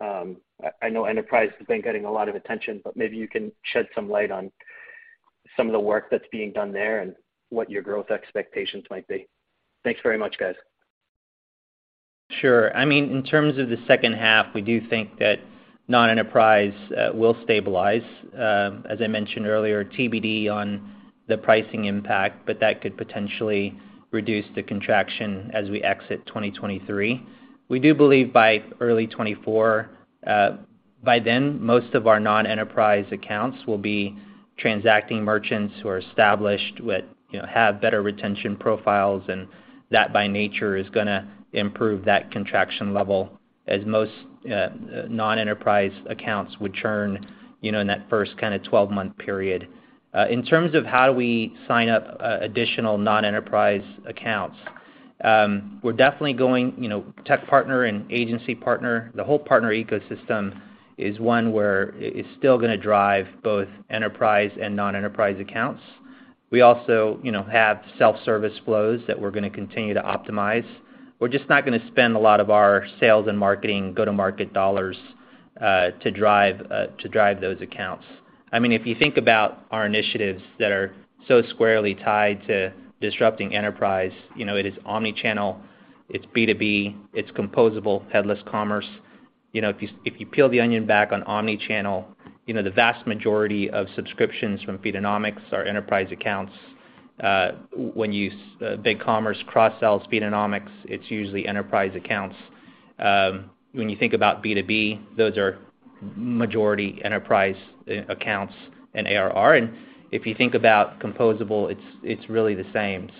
I know enterprise has been getting a lot of attention, but maybe you can shed some light on some of the work that's being done there and what your growth expectations might be. Thanks very much, guys. Sure. I mean, in terms of the second half, we do think that non-enterprise will stabilize. As I mentioned earlier, TBD on the pricing impact, but that could potentially reduce the contraction as we exit 2023. We do believe by early 2024, by then, most of our non-enterprise accounts will be transacting merchants who are established with, you know, have better retention profiles, and that by nature is gonna improve that contraction level as most non-enterprise accounts would churn, you know, in that first kind of 12-month period. In terms of how we sign up additional non-enterprise accounts, we're definitely going, you know, tech partner and agency partner. The whole partner ecosystem is one where it's still gonna drive both enterprise and non-enterprise accounts. We also, you know, have self-service flows that we're gonna continue to optimize. We're just not gonna spend a lot of our sales and marketing go-to-market dollars to drive those accounts. I mean, if you think about our initiatives that are so squarely tied to disrupting enterprise, you know, it is omni-channel, it's B2B, it's composable, headless commerce. You know, if you peel the onion back on omni-channel, you know, the vast majority of subscriptions from Feedonomics are enterprise accounts. When you BigCommerce cross-sells Feedonomics, it's usually enterprise accounts. When you think about B2B, those are majority enterprise accounts and ARR. If you think about composable, it's really the same.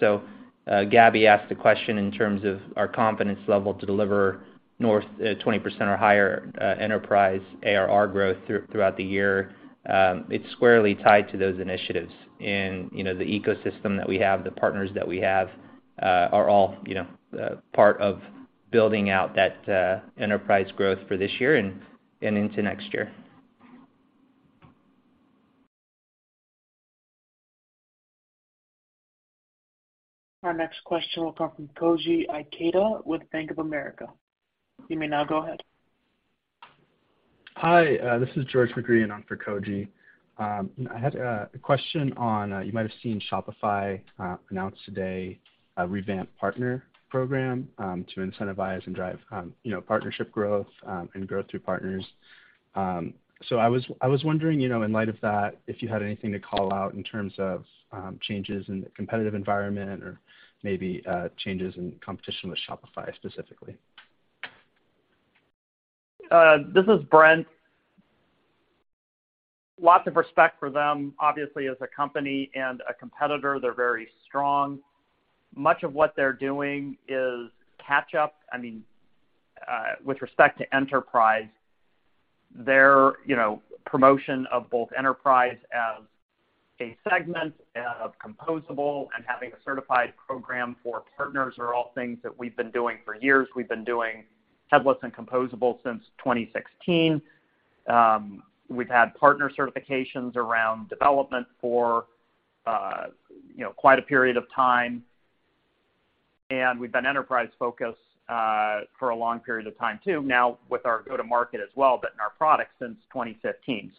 Gabby asked a question in terms of our confidence level to deliver north 20% or higher enterprise ARR growth throughout the year. It's squarely tied to those initiatives. You know, the ecosystem that we have, the partners that we have, are all, you know, part of building out that, enterprise growth for this year and into next year. Our next question will come from Koji Ikeda with Bank of America. You may now go ahead. Hi, this is George McGreehan and I'm for Koji. I had a question on, you might have seen Shopify announce today a revamped partner program to incentivize and drive, you know, partnership growth and growth through partners. I was wondering, you know, in light of that, if you had anything to call out in terms of changes in the competitive environment or maybe changes in competition with Shopify specifically. This is Brent. Lots of respect for them. Obviously, as a company and a competitor, they're very strong. Much of what they're doing is catch up. I mean, with respect to enterprise, their, you know, promotion of both enterprise as a segment of composable and having a certified program for partners are all things that we've been doing for years. We've been doing headless and composable since 2016. We've had partner certifications around development for, you know, quite a period of time. We've been enterprise-focused for a long period of time too, now with our go-to-market as well, but in our products since 2015.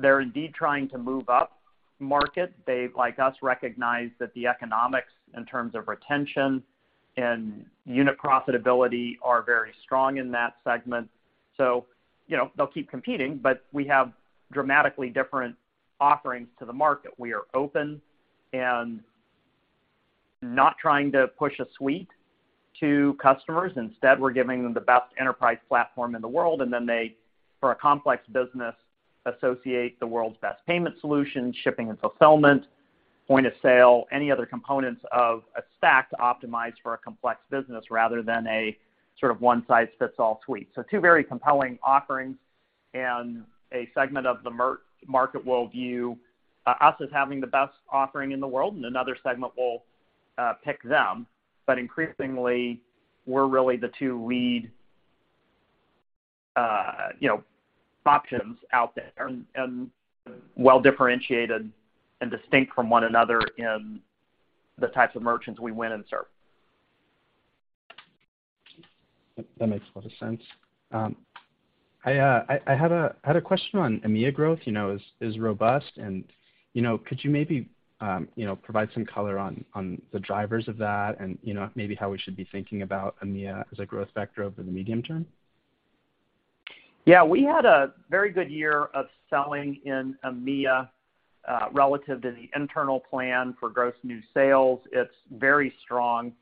They're indeed trying to move up market. They, like us, recognize that the economics in terms of retention and unit profitability are very strong in that segment. You know, they'll keep competing, but we have dramatically different offerings to the market. We are open and not trying to push a suite to customers. Instead, we're giving them the best enterprise platform in the world, and then they, for a complex business, associate the world's best payment solution, shipping and fulfillment, point-of-sale, any other components of a stack to optimize for a complex business rather than a sort of one-size-fits-all suite. Two very compelling offerings, and a segment of the market will view us as having the best offering in the world, and another segment will pick them. Increasingly, we're really the two lead, you know, options out there and well-differentiated and distinct from one another in the types of merchants we win and serve. That makes a lot of sense. I had a question on EMEA growth, you know, is robust and, you know, could you maybe, you know, provide some color on the drivers of that and, you know, maybe how we should be thinking about EMEA as a growth vector over the medium term? Yeah. We had a very good year of selling in EMEA, relative to the internal plan for gross new sales. It's very strong.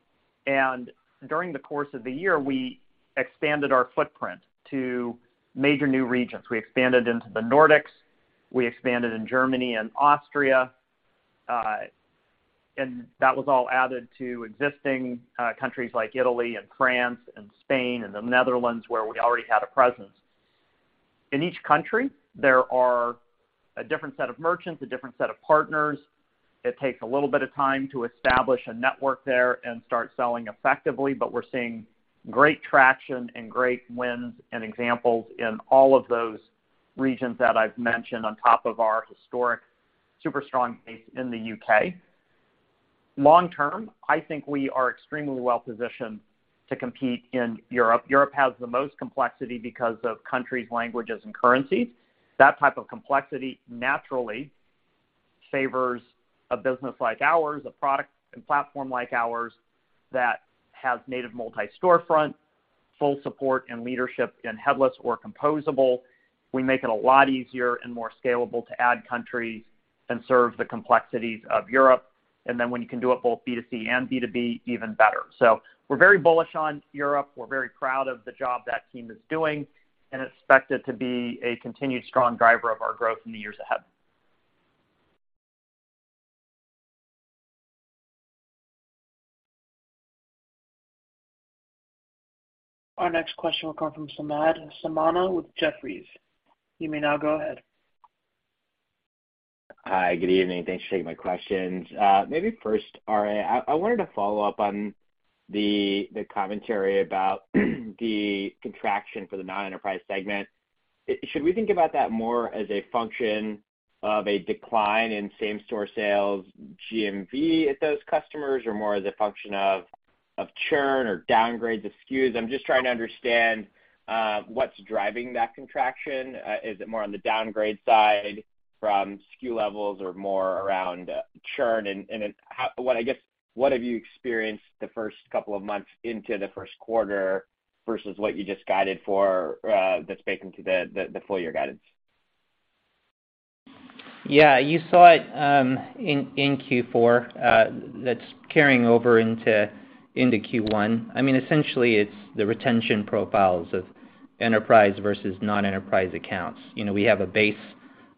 During the course of the year, we expanded our footprint to major new regions. We expanded into the Nordics, we expanded in Germany and Austria, that was all added to existing countries like Italy and France and Spain and the Netherlands, where we already had a presence. In each country, there are a different set of merchants, a different set of partners. It takes a little bit of time to establish a network there and start selling effectively, but we're seeing great traction and great wins and examples in all of those regions that I've mentioned on top of our historic super strong base in the U.K. Long term, I think we are extremely well positioned to compete in Europe. Europe has the most complexity because of countries, languages, and currencies. That type of complexity naturally favors a business like ours, a product and platform like ours, that has native Multi-Storefront, full support and leadership in headless or composable. We make it a lot easier and more scalable to add countries and serve the complexities of Europe. When you can do it both B2C and B2B, even better. We're very bullish on Europe. We're very proud of the job that team is doing, and expect it to be a continued strong driver of our growth in the years ahead. Our next question will come from Samad Samana with Jefferies. You may now go ahead. Hi. Good evening. Thanks for taking my questions. Maybe first, R.A., I wanted to follow up on the commentary about the contraction for the non-enterprise segment. Should we think about that more as a function of a decline in same-store sales GMV at those customers, or more as a function of churn or downgrades of SKUs? I'm just trying to understand what's driving that contraction. Is it more on the downgrade side from SKU levels or more around churn? What have you experienced the first couple of months into the first quarter versus what you just guided for, that's baking to the full year guidance? Yeah. You saw it, in Q4, that's carrying over into Q1. I mean, essentially, it's the retention profiles of enterprise versus non-enterprise accounts. You know, we have a base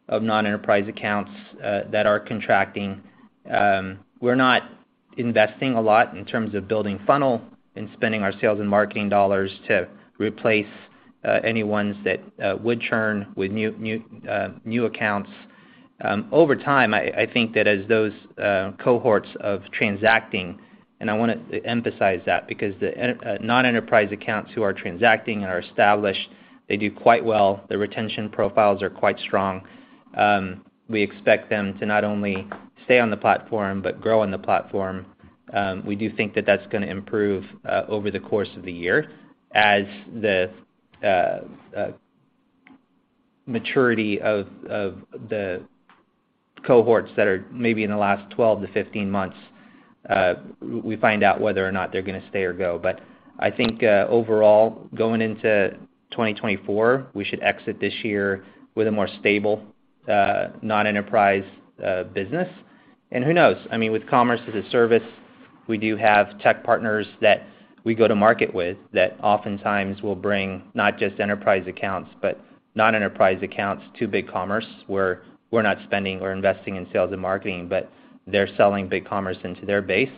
of non-enterprise accounts, that are contracting. We're not investing a lot in terms of building funnel and spending our sales and marketing dollars to replace, any ones that, would churn with new accounts. Over time, I think that as those, cohorts of transacting, and I wanna emphasize that because the non-enterprise accounts who are transacting and are established, they do quite well. The retention profiles are quite strong. We expect them to not only stay on the platform but grow on the platform. We do think that that's gonna improve over the course of the year as the maturity of the cohorts that are maybe in the last 12-15 months, we find out whether or not they're gonna stay or go. I think overall, going into 2024, we should exit this year with a more stable non-enterprise business. Who knows, I mean, with Commerce-as-a-Service, we do have tech partners that we go to market with that oftentimes will bring not just enterprise accounts, but non-enterprise accounts to BigCommerce, where we're not spending or investing in sales and marketing, but they're selling BigCommerce into their base.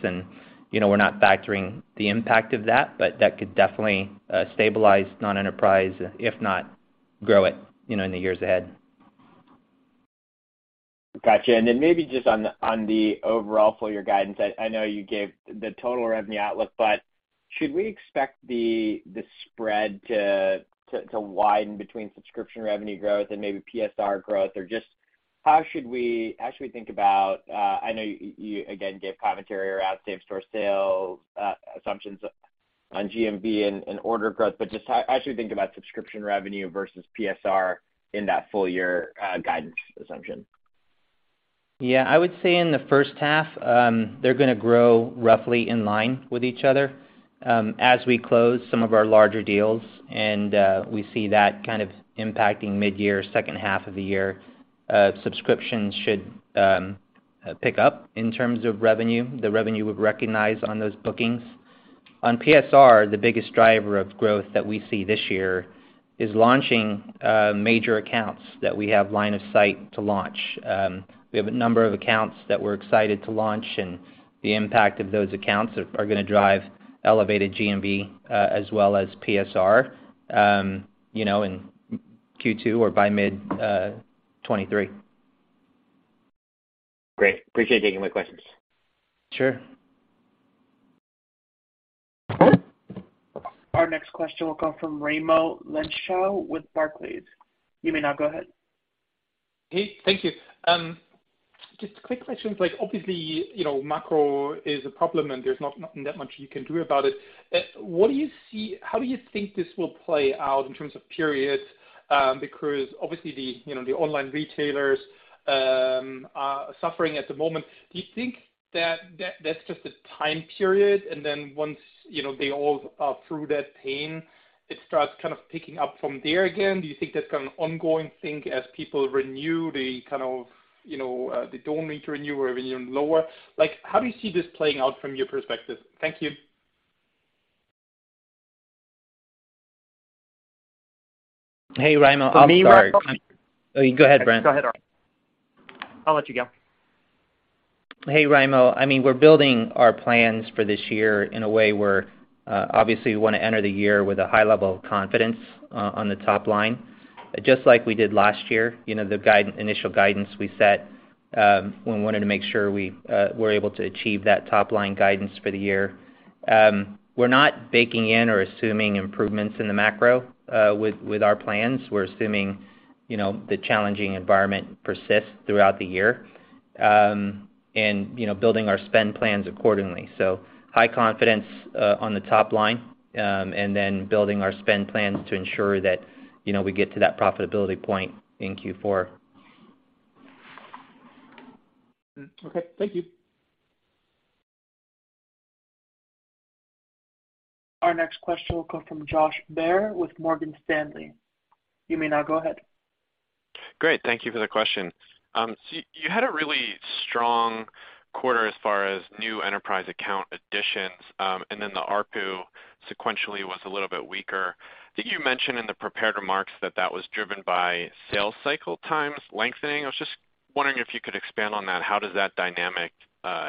You know, we're not factoring the impact of that, but that could definitely stabilize non-enterprise, if not grow it, you know, in the years ahead. Gotcha. Then maybe just on the overall full year guidance. I know you gave the total revenue outlook, but should we expect the spread to widen between subscription revenue growth and maybe PSR growth? Or just how should we think about? I know you, again, gave commentary around same-store sales assumptions on GMV and order growth. Just how should we think about subscription revenue versus PSR in that full year guidance assumption? Yeah. I would say in the first half, they're gonna grow roughly in line with each other. As we close some of our larger deals and we see that kind of impacting mid-year, second half of the year, subscriptions should pick up in terms of revenue, the revenue we've recognized on those bookings. On PSR, the biggest driver of growth that we see this year is launching major accounts that we have line of sight to launch. We have a number of accounts that we're excited to launch, and the impact of those accounts are gonna drive elevated GMV as well as PSR, you know, in Q2 or by mid-2023. Great. Appreciate you taking my questions. Sure. Our next question will come from Raimo Lenschow with Barclays. You may now go ahead. Hey, thank you. Just quick questions. Like, obviously, you know, macro is a problem, and there's not that much you can do about it. How do you think this will play out in terms of periods? Because obviously the, you know, the online retailers are suffering at the moment. Do you think that that's just a time period, and then once, you know, they all are through that pain, it starts kind of picking up from there again? Do you think that's kind of an ongoing thing as people renew the kind of, you know, they don't need to renew or even lower? Like, how do you see this playing out from your perspective? Thank you. Hey, Raimo. I'm sorry. For me. Oh, go ahead, Brent. Go ahead, R.A.. I'll let you go. Hey, Raimo. I mean, we're building our plans for this year in a way where obviously we wanna enter the year with a high level of confidence on the top line. Just like we did last year, you know, initial guidance we set, we wanted to make sure we we're able to achieve that top-line guidance for the year. We're not baking in or assuming improvements in the macro with our plans. We're assuming, you know, the challenging environment persists throughout the year, building our spend plans accordingly. High confidence on the top line, then building our spend plans to ensure that, you know, we get to that profitability point in Q4. Okay. Thank you. Our next question will come from Josh Baer with Morgan Stanley. You may now go ahead. Great. Thank you for the question. You had a really strong quarter as far as new enterprise account additions, the ARPU sequentially was a little bit weaker. I think you mentioned in the prepared remarks that that was driven by sales cycle times lengthening. I was just wondering if you could expand on that. How does that dynamic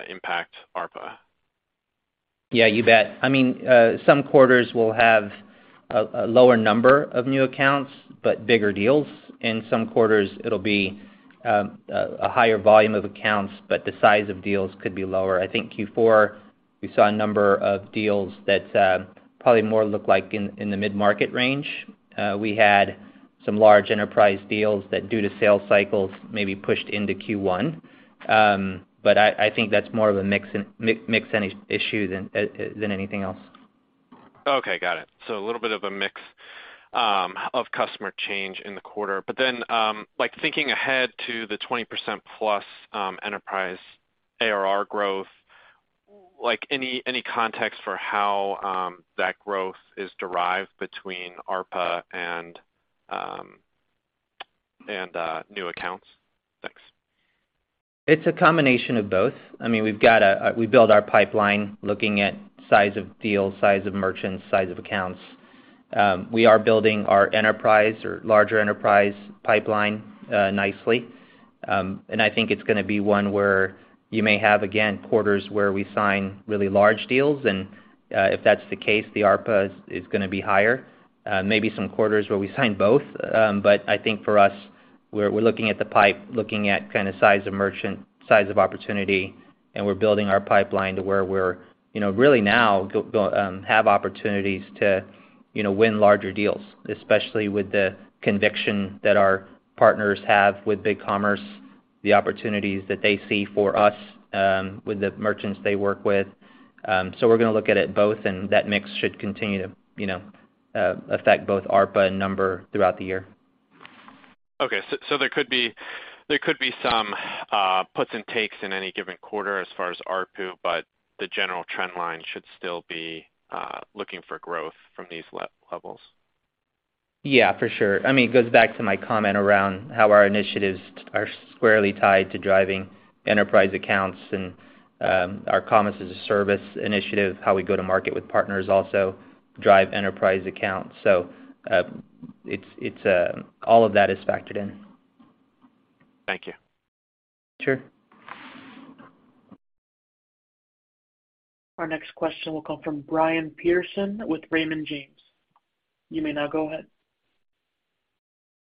impact ARPA? Yeah, you bet. I mean, some quarters will have a lower number of new accounts, but bigger deals. In some quarters, it'll be a higher volume of accounts, but the size of deals could be lower. I think Q4, we saw a number of deals that probably more look like in the mid-market range. We had some large enterprise deals that, due to sales cycles, may be pushed into Q1. I think that's more of a mix and issue than anything else. Okay, got it. A little bit of a mix of customer change in the quarter. Like thinking ahead to the 20%+ enterprise ARR growth, like, any context for how that growth is derived between ARPA and new accounts? Thanks. It's a combination of both. I mean, We build our pipeline looking at size of deals, size of merchants, size of accounts. We are building our enterprise or larger enterprise pipeline nicely. I think it's gonna be one where you may have, again, quarters where we sign really large deals, if that's the case, the ARPA is gonna be higher. Maybe some quarters where we sign both. I think for us, we're looking at the pipe, looking at kind of size of merchant, size of opportunity, and we're building our pipeline to where we're, you know, really now have opportunities to, you know, win larger deals, especially with the conviction that our partners have with BigCommerce, the opportunities that they see for us with the merchants they work with. We're gonna look at it both, and that mix should continue to, you know, affect both ARPA and number throughout the year. Okay. There could be some puts and takes in any given quarter as far as ARPU, but the general trend line should still be looking for growth from these levels. Yeah, for sure. I mean, it goes back to my comment around how our initiatives are squarely tied to driving enterprise accounts and our Commerce-as-a-Service initiative, how we go to market with partners also drive enterprise accounts. It's all of that is factored in. Thank you. Sure. Our next question will come from Brian Peterson with Raymond James. You may now go ahead.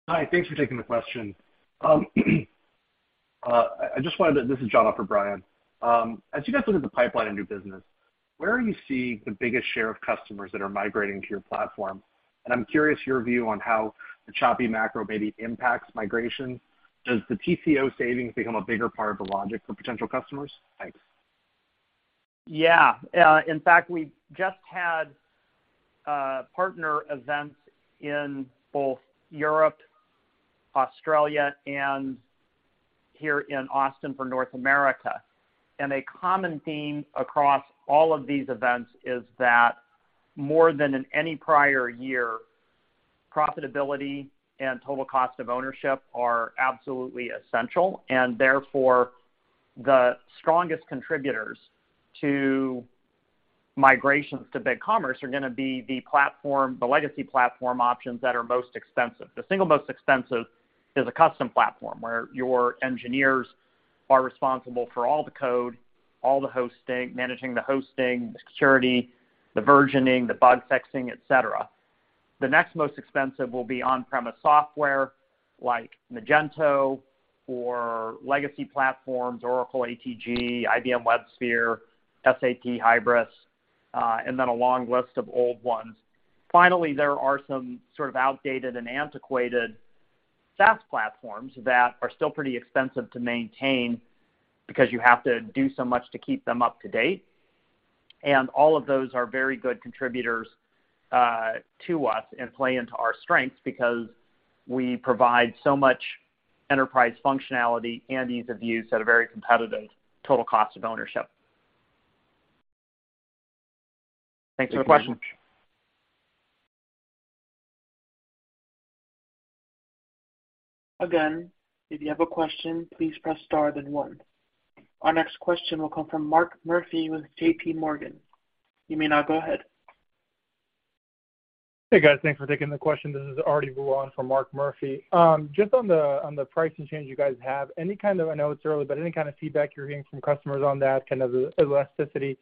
Hi. Thanks for taking the question. This is John off for Brian. As you guys look at the pipeline in new business, where are you seeing the biggest share of customers that are migrating to your platform? I'm curious your view on how the choppy macro maybe impacts migration. Does the TCO savings become a bigger part of the logic for potential customers? Thanks. Yeah. In fact, we just had partner events in both Europe, Australia, and here in Austin for North America. A common theme across all of these events is that more than in any prior year, profitability and total cost of ownership are absolutely essential, and therefore, the strongest contributors to migrations to BigCommerce are gonna be the platform, the legacy platform options that are most expensive. The single most expensive is a custom platform, where your engineers are responsible for all the code, all the hosting, managing the hosting, the security, the versioning, the bug fixing, et cetera. The next most expensive will be on-premise software like Magento or legacy platforms, Oracle ATG, IBM WebSphere, SAP Hybris, and then a long list of old ones. Finally, there are some sort of outdated and antiquated SaaS platforms that are still pretty expensive to maintain because you have to do so much to keep them up to date. All of those are very good contributors to us and play into our strengths because we provide so much enterprise functionality and ease of use at a very competitive total cost of ownership. Thanks for the question. If you have a question, please press star then one. Our next question will come from Mark Murphy with JPMorgan. You may now go ahead. Hey, guys. Thanks for taking the q uestion. This is Arti Vula for Mark Murphy. Just on the pricing change you guys have, any kind of, I know it's early, but any kind of feedback you're hearing from customers on that kind of elasticity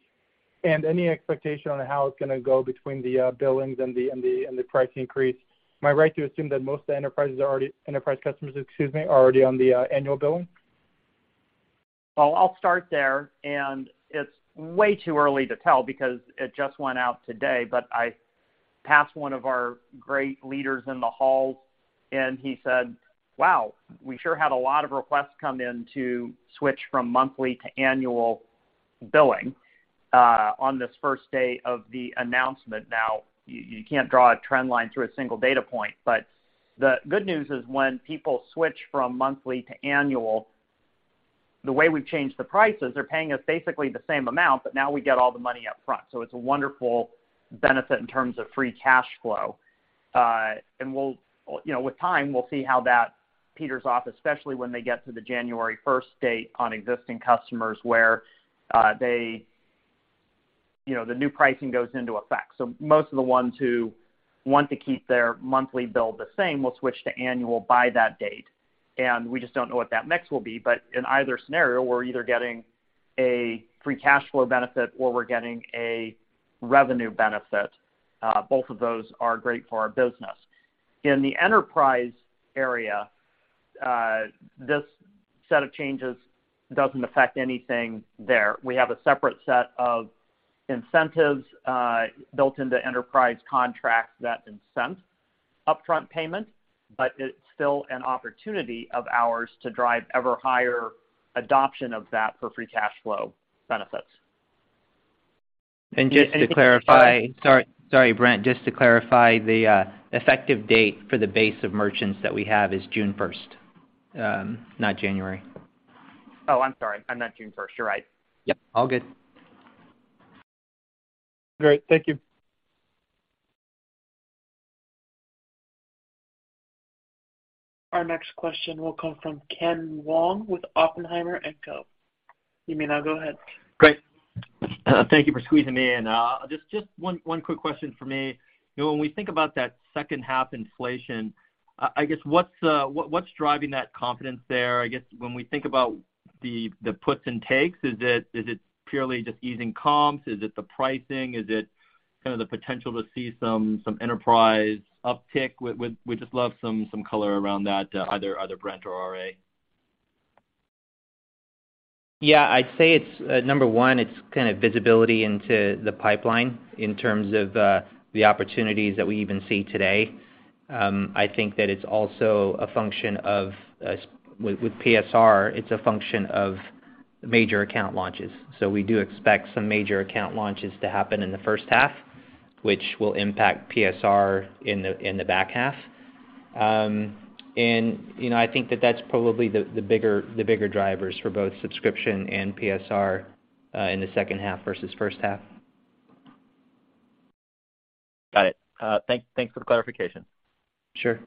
and any expectation on how it's gonna go between the billings and the price increase? Am I right to assume that most of the enterprise customers, excuse me, are already on the annual billing? Well, I'll start there, it's way too early to tell because it just went out today. I passed one of our great leaders in the hall, and he said, "Wow, we sure had a lot of requests come in to switch from monthly to annual billing," on this first day of the announcement. You can't draw a trend line through a single data point, but the good news is when people switch from monthly to annual. The way we've changed the prices, they're paying us basically the same amount, but now we get all the money up front. It's a wonderful benefit in terms of free cash flow. We'll, you know, with time, we'll see how that peters off, especially when they get to the January first date on existing customers where, they, you know, the new pricing goes into effect. Most of the ones who want to keep their monthly bill the same will switch to annual by that date. We just don't know what that mix will be. In either scenario, we're either getting a free cash flow benefit or we're getting a revenue benefit. Both of those are great for our business. In the enterprise area, this set of changes doesn't affect anything there. We have a separate set of incentives built into enterprise contracts that incent upfront payment, but it's still an opportunity of ours to drive ever higher adoption of that for free cash flow benefits. Sorry, Brent. Just to clarify, the effective date for the base of merchants that we have is June 1st, not January. Oh, I'm sorry. I meant June 1st. You're right. Yep, all good. Great. Thank you. Our next question will come from Ken Wong with Oppenheimer&Co. You may now go ahead. Great. Thank you for squeezing me in. Just one quick question for me. You know, when we think about that second half inflation, I guess what's driving that confidence there? I guess when we think about the puts and takes, is it purely just easing comps? Is it the pricing? Is it kind of the potential to see some enterprise uptick? We'd just love some color around that, either Brent or RA. Yeah, I'd say it's number one, it's kind of visibility into the pipeline in terms of the opportunities that we even see today. I think that it's also a function of with PSR, it's a function of major account launches. We do expect some major account launches to happen in the first half, which will impact PSR in the back half. You know, I think that that's probably the bigger drivers for both subscription and PSR in the second half versus first half. Got it. Thanks for the clarification. Sure.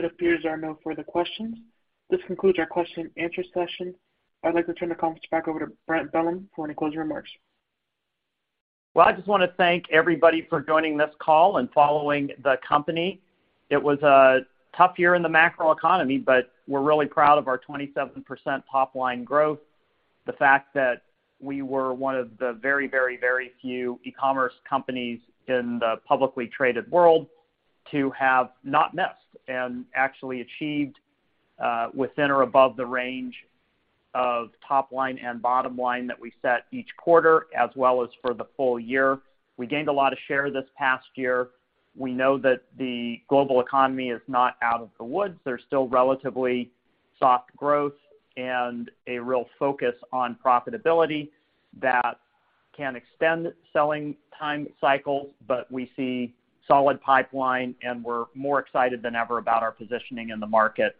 It appears there are no further questions. This concludes our question and answer session. I'd like to turn the conference back over to Brent Bellm for any closing remarks. Well, I just wanna thank everybody for joining this call and following the company. It was a tough year in the macroeconomy. We're really proud of our 27% top line growth. The fact that we were one of the very, very, very few ecommerce companies in the publicly traded world to have not missed and actually achieved within or above the range of top line and bottom line that we set each quarter as well as for the full year. We gained a lot of share this past year. We know that the global economy is not out of the woods. There's still relatively soft growth and a real focus on profitability that can extend selling time cycles, but we see solid pipeline, and we're more excited than ever about our positioning in the market.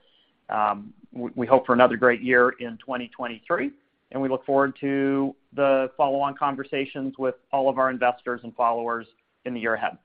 We hope for another great year in 2023, and we look forward to the follow-on conversations with all of our investors and followers in the year ahead.